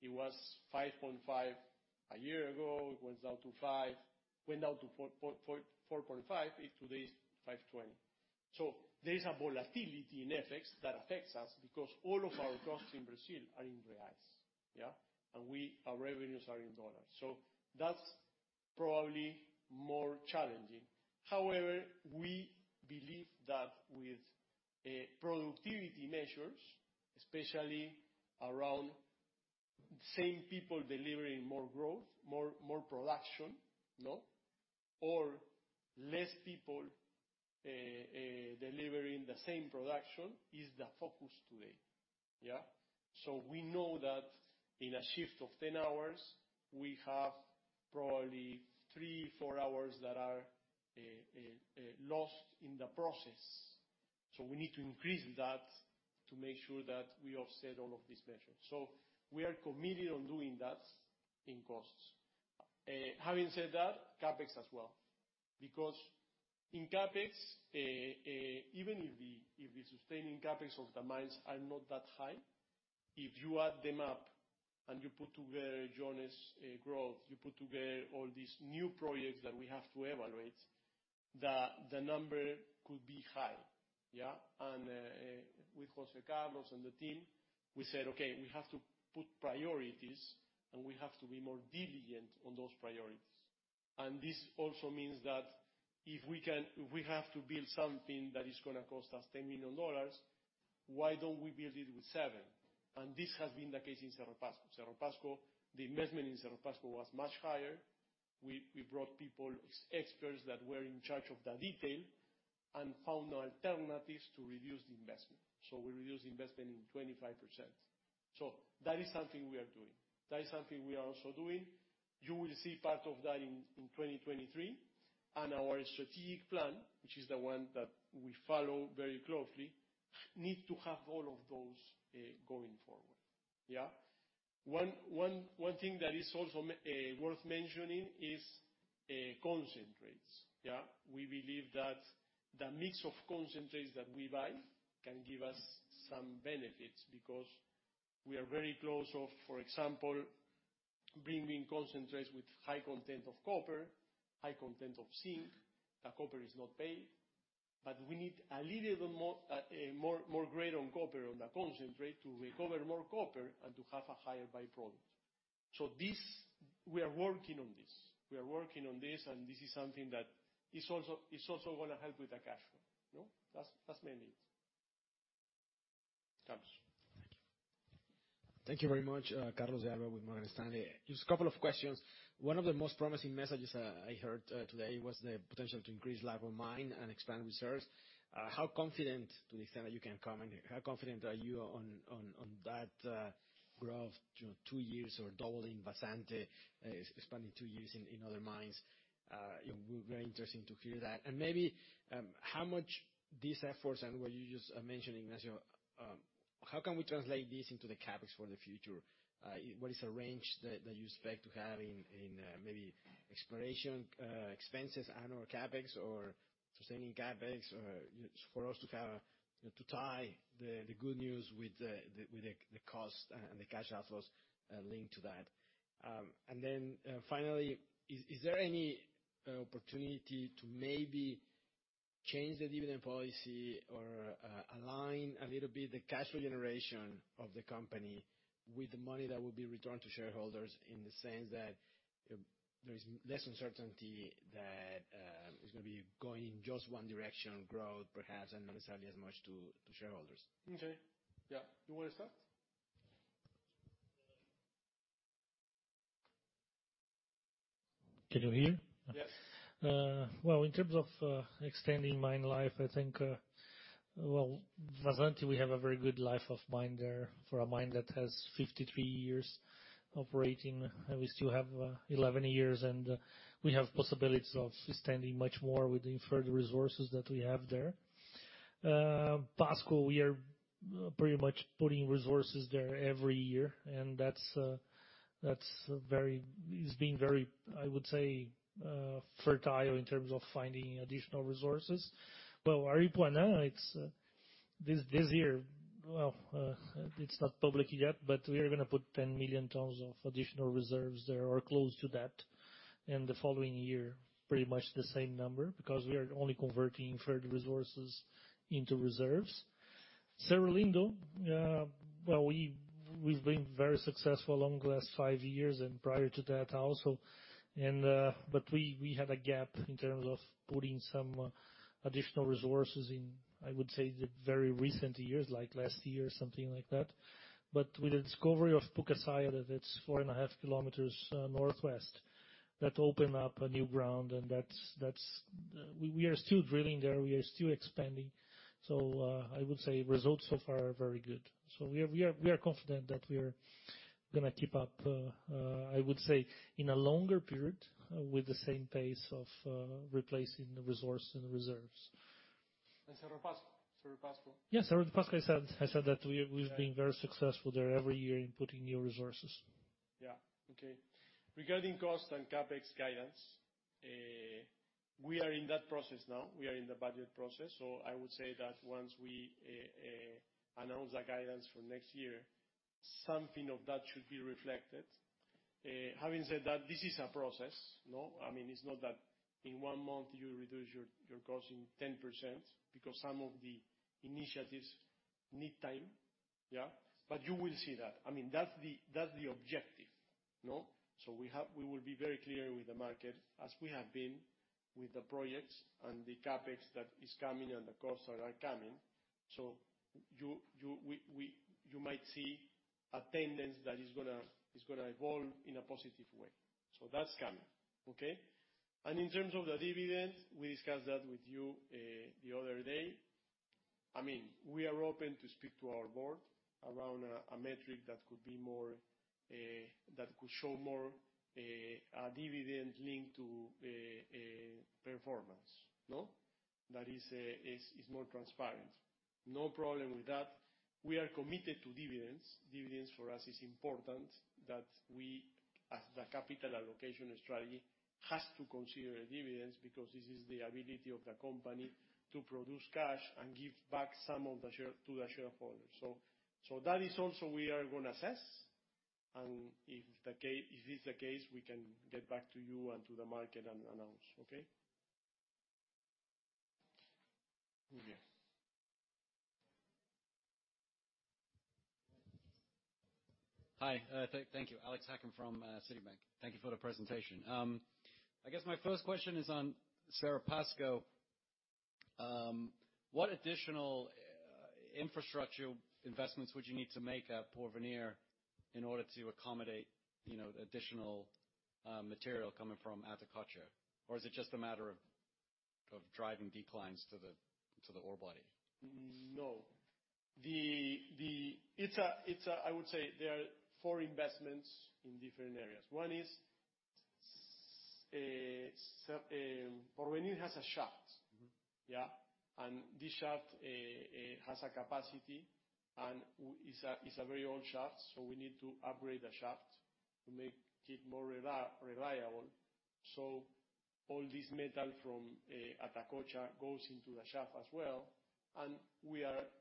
It was 5.5 a year ago. It went down to five. Went down to 4.5. It today is 5.2. There is a volatility in FX that affects us because all of our costs in Brazil are in reais, yeah? Our revenues are in dollars. That's probably more challenging. However, we believe that with productivity measures, especially around same people delivering more growth, more production, no? Or less people delivering the same production is the focus today, yeah? We know that in a shift of 10 hours, we have probably three for hours that are lost in the process. We need to increase that to make sure that we offset all of these measures. We are committed on doing that in costs. Having said that, CapEx as well. Because in CapEx, even if the sustaining CapEx of the mines are not that high, if you add them up and you put together Jones Belther growth, you put together all these new projects that we have to evaluate, the number could be high, yeah? With José Carlos del Valle and the team, we said, "Okay, we have to put priorities, and we have to be more diligent on those priorities." This also means that if we have to build something that is gonna cost us $10 million, why don't we build it with $7 million? This has been the case in Cerro de Pasco. The investment in Cerro de Pasco was much higher. We brought people, experts that were in charge of the detail and found alternatives to reduce the investment. We reduced the investment by 25%. That is something we are doing. That is something we are also doing. You will see part of that in 2023. Our strategic plan, which is the one that we follow very closely, need to have all of those going forward. One thing that is also worth mentioning is concentrates. We believe that the mix of concentrates that we buy can give us some benefits because we are very close to, for example, bringing concentrates with high content of copper, high content of zinc. The copper is not paid. But we need a little bit more grade on copper on the concentrate to recover more copper and to have a higher by-product. This we are working on this. We are working on this, and this is something that is also gonna help with the cash flow. No? That's mainly it. Carlos. Thank you. Thank you very much, Carlos. Carlos de Alba with Morgan Stanley. Just a couple of questions. One of the most promising messages I heard today was the potential to increase life of mine and expand reserves. To the extent that you can comment, how confident are you on that growth, you know, two years or doubling Vazante, expanding two years in other mines? It will be very interesting to hear that. Maybe how much these efforts and what you just mentioning as how can we translate this into the CapEx for the future? What is the range that you expect to have in maybe exploration expenses and/or CapEx or sustaining CapEx or just for us to have to tie the good news with the cost and the cash outflows linked to that. Finally, is there any opportunity to maybe change the dividend policy or align a little bit the cash flow generation of the company with the money that will be returned to shareholders in the sense that there is less uncertainty that it's gonna be going just one direction, growth perhaps, and not necessarily as much to shareholders? Okay. Yeah. You wanna start? Can you hear? Yes. Well, in terms of extending mine life, I think, well, Vazante we have a very good life of mine there for a mine that has 53 years operating, and we still have 11 years, and we have possibilities of extending much more with the inferred resources that we have there. Pasco, we are pretty much putting resources there every year, and that's very. It's been very, I would say, fertile in terms of finding additional resources. Well, Aripuanã, it's this year, well, it's not public yet, but we are gonna put 10 million tons of additional reserves there or close to that. The following year, pretty much the same number, because we are only converting further resources into reserves. Cerro Lindo, well, we've been very successful along the last five years and prior to that also. We had a gap in terms of putting some additional resources in, I would say, the very recent years, like last year, something like that. With the discovery of Pucasaia, that's 4.5 km northwest, that opened up a new ground. We are still drilling there. We are still expanding. I would say results so far are very good. We are confident that we are gonna keep up, I would say in a longer period with the same pace of replacing the resource and reserves. Cerro de Pasco. Yes, Cerro de Pasco, I said that we've been very successful there every year in putting new resources. Okay. Regarding cost and CapEx guidance, we are in that process now. We are in the budget process. I would say that once we announce that guidance for next year, something of that should be reflected. Having said that, this is a process, no? I mean, it's not that in one month you reduce your costing 10% because some of the initiatives need time, yeah? You will see that. I mean, that's the objective, no? We will be very clear with the market as we have been with the projects and the CapEx that is coming and the costs that are coming. You might see a tendency that is gonna evolve in a positive way. That's coming. Okay? In terms of the dividend, we discussed that with you, the other day. I mean, we are open to speak to our board around a metric that could show more a dividend linked to performance, no. That is more transparent. No problem with that. We are committed to dividends. Dividends for us is important that we, as the capital allocation strategy, has to consider dividends because this is the ability of the company to produce cash and give back some of the share to the shareholders. That is also we are gonna assess. If this is the case, we can get back to you and to the market and announce. Okay. Over here. Hi. Thank you. Alex Hacking from Citi. Thank you for the presentation. I guess my first question is on Cerro de Pasco. What additional infrastructure investments would you need to make at El Porvenir in order to accommodate, you know, additional material coming from Atacocha? Is it just a matter of driving declines to the ore body? No. It's a. I would say there are four investments in different areas. One is, El Porvenir has a shaft. Mm-hmm. Yeah. This shaft has a capacity, and is a very old shaft, so we need to upgrade the shaft to make it more reliable. All this metal from Atacocha goes into the shaft as well, and we have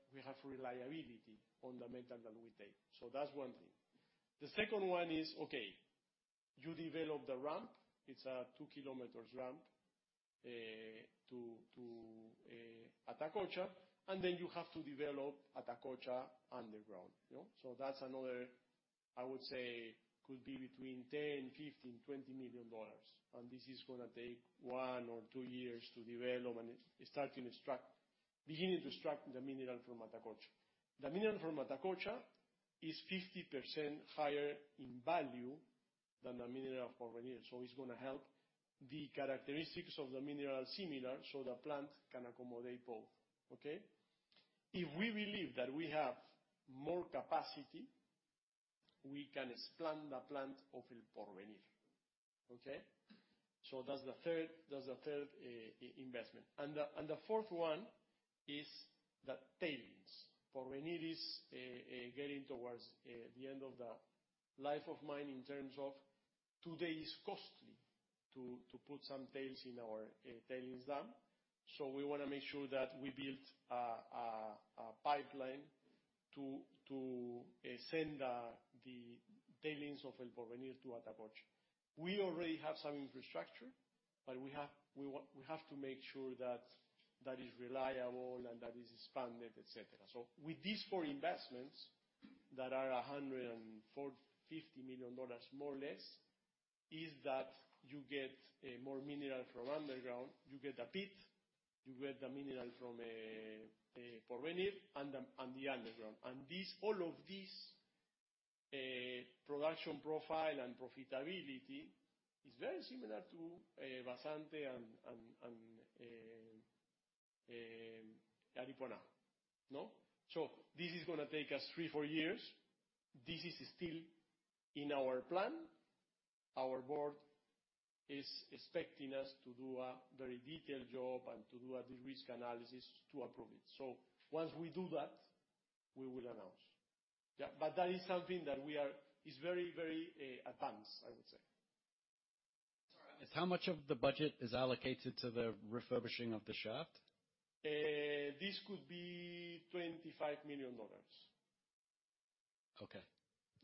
reliability on the metal that we take. That's one thing. The second one is, okay, you develop the ramp. It's a two-km ramp to Atacocha. You have to develop Atacocha underground, you know? That's another, I would say, could be between $10 million, $15 million, and $20 million. This is gonna take one or two years to develop and beginning to extract the mineral from Atacocha. The mineral from Atacocha is 50% higher in value than the mineral of El Porvenir, so it's gonna help. The characteristics of the mineral are similar, so the plant can accommodate both. If we believe that we have more capacity, we can expand the plant of El Porvenir. That's the third investment. The fourth one is the tailings. El Porvenir is getting towards the end of the life of mine in terms of today is costly to put some tails in our tailings dam. We want to make sure that we build a pipeline to send the tailings of El Porvenir to Atacocha. We already have some infrastructure, but we have to make sure that that is reliable and that is expanded, et cetera. With these four investments that are $145 million, more or less, with that you get more mineral from underground, you get a pit, you get the mineral from El Porvenir and the underground. This, all of this, production profile and profitability is very similar to Vazante and Aripuanã. No? This is gonna take us three to four years. This is still in our plan. Our board is expecting us to do a very detailed job and to do a de-risk analysis to approve it. Once we do that, we will announce. Yeah, but that is something that is very, very advanced, I would say. How much of the budget is allocated to the refurbishing of the shaft? This could be $25 million. Okay.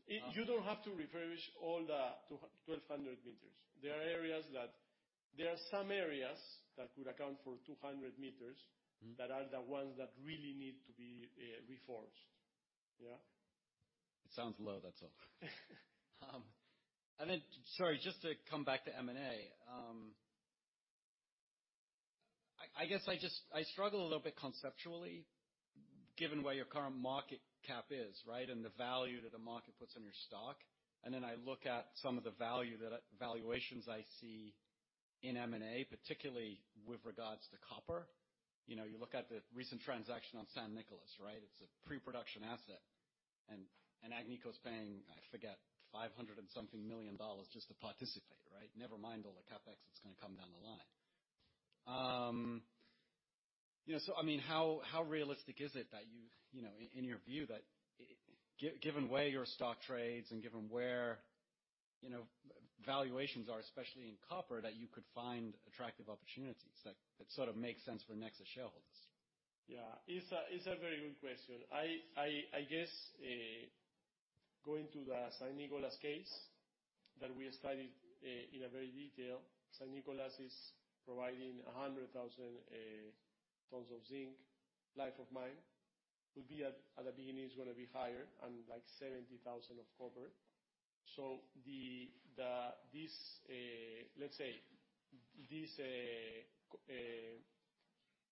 You don't have to refurbish all the 1,200 m. There are some areas that could account for 200 m that are the ones that really need to be reforged. Yeah. It sounds low, that's all. Sorry, just to come back to M&A. I guess I struggle a little bit conceptually, given where your current market cap is, right? The value that the market puts on your stock. I look at some of the valuations I see in M&A, particularly with regards to copper. You know, you look at the recent transaction on San Nicolás, right? It's a pre-production asset, and Agnico Eagle's paying, I forget, $500 million or something just to participate, right? Never mind all the CapEx that's gonna come down the line. you know, I mean, how realistic is it that you know, in your view that, given where your stock trades and given where, you know, valuations are, especially in copper, that you could find attractive opportunities that sort of make sense for Nexa shareholders? It's a very good question. I guess going to the San Nicolas case that we studied in great detail. San Nicolas is providing 100,000 tons of zinc life of mine. It could be higher at the beginning and like 70,000 tons of copper. This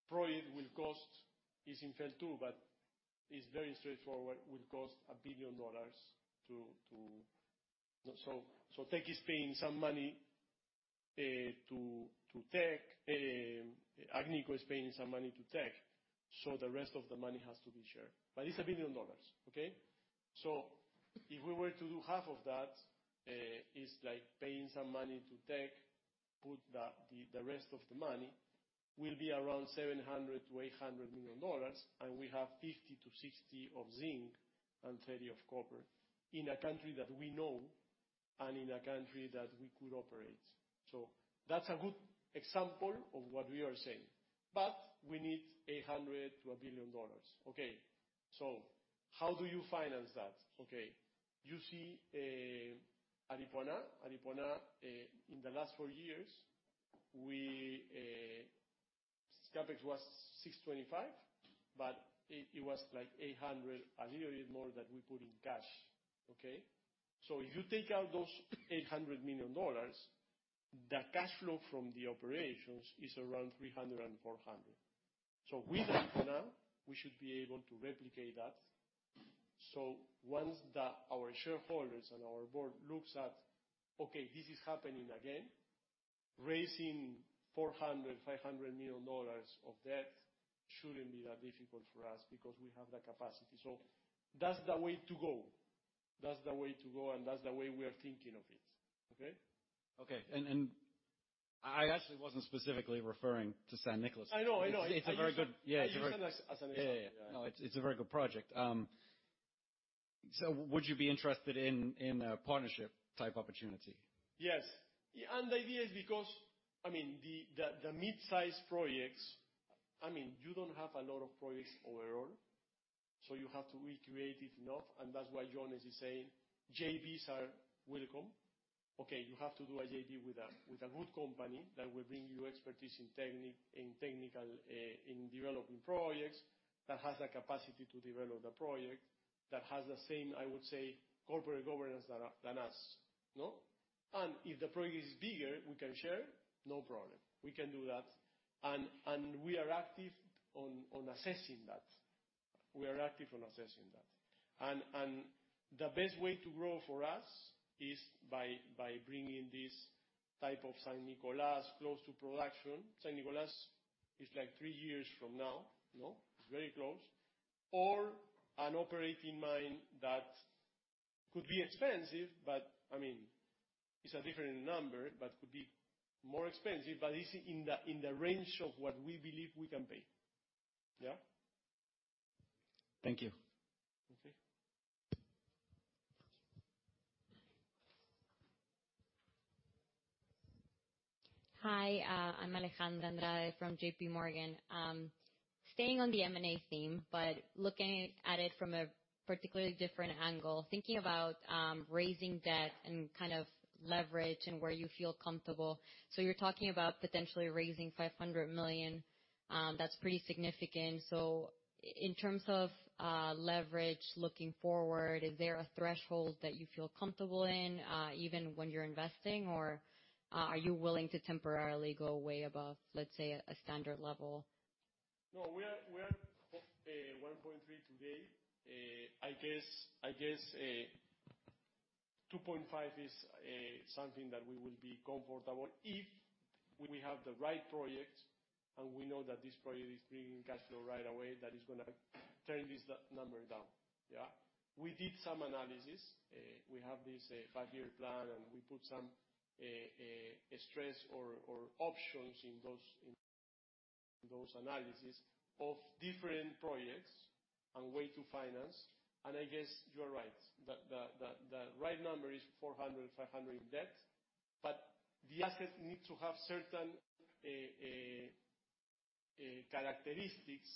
project will cost. It's in phase two, but it's very straightforward, will cost $1 billion. Teck is paying some money to Teck. Agnico Eagle is paying some money to Teck, so the rest of the money has to be shared. It's $1 billion, okay? If we were to do half of that, it's like paying some money to Teck, the rest of the money will be around $700 million-$800 million, and we have 50-60 of zinc and 30 of copper in a country that we know and in a country that we could operate. That's a good example of what we are saying. We need $100 million-$1 billion. Okay, how do you finance that? Okay. You see, Aripuanã in the last four years, we CapEx was $625 million, but it was like $800 million, a little bit more that we put in cash. Okay. If you take out those $800 million, the cash flow from the operations is around $300 million-$400 million. With Aripuanã, we should be able to replicate that. Once our shareholders and our board looks at, okay, this is happening again, raising $400 million-$500 million of debt shouldn't be that difficult for us because we have the capacity. That's the way to go. That's the way to go, and that's the way we are thinking of it. Okay? Okay. I actually wasn't specifically referring to San Nicolas. I know, I know. It's a very good. I used that as an example. Yeah, yeah. No, it's a very good project. Would you be interested in a partnership type opportunity? Yes. The idea is because, I mean, the mid-size projects, I mean, you don't have a lot of projects overall, so you have to be creative enough, and that's why Jones is saying JVs are welcome. Okay, you have to do a JV with a good company that will bring you expertise in technical, in developing projects, that has the capacity to develop the project, that has the same, I would say, corporate governance than us. No? If the project is bigger, we can share, no problem. We can do that. We are active on assessing that. The best way to grow for us is by bringing this type of San Nicolas close to production. San Nicolas is like three years from now, you know? It's very close. An operating mine that could be expensive, but I mean, it's a different number, but could be more expensive, but it's in the range of what we believe we can pay. Yeah. Thank you. Okay. Hi, I'm Alejandra Andrade from JPMorgan. Staying on the M&A theme, but looking at it from a particularly different angle, thinking about raising debt and kind of leverage and where you feel comfortable. You're talking about potentially raising $500 million. That's pretty significant. In terms of leverage looking forward, is there a threshold that you feel comfortable in, even when you're investing? Or are you willing to temporarily go way above, let's say, a standard level? No, we are 1.3 today. I guess 2.5 is something that we will be comfortable if we have the right project and we know that this project is bringing cash flow right away, that is gonna turn this number down. Yeah. We did some analysis. We have this five-year plan, and we put some stress or options in those analyses of different projects and way to finance. I guess you are right. The right number is $400-$500 in debt, but the asset need to have certain characteristics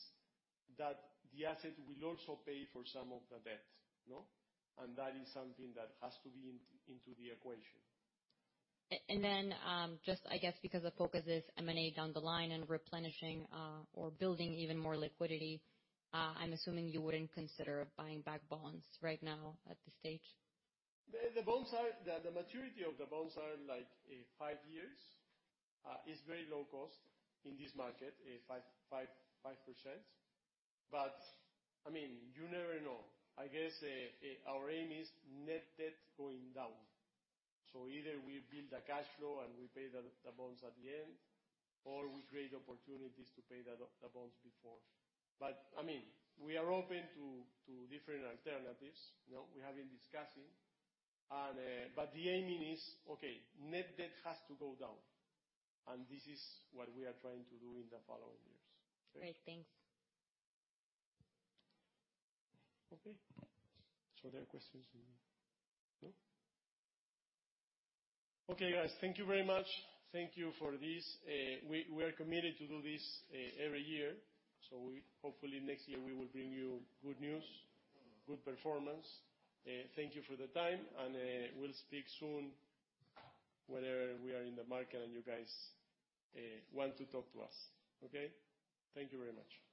that the asset will also pay for some of the debt. No? That is something that has to be into the equation. Just, I guess, because the focus is M&A down the line and replenishing or building even more liquidity, I'm assuming you wouldn't consider buying back bonds right now at this stage? The maturity of the bonds are like five years. It's very low cost in this market, 5%. I mean, you never know. I guess our aim is net debt going down. Either we build the cash flow and we pay the bonds at the end, or we create opportunities to pay the bonds before. I mean, we are open to different alternatives. You know, we have been discussing. The aiming is, okay, net debt has to go down. This is what we are trying to do in the following years. Okay? Great. Thanks. Okay. There are questions you need? No. Okay, guys. Thank you very much. Thank you for this. We are committed to do this every year, hopefully next year we will bring you good news, good performance. Thank you for the time, and we'll speak soon whenever we are in the market and you guys want to talk to us. Okay. Thank you very much.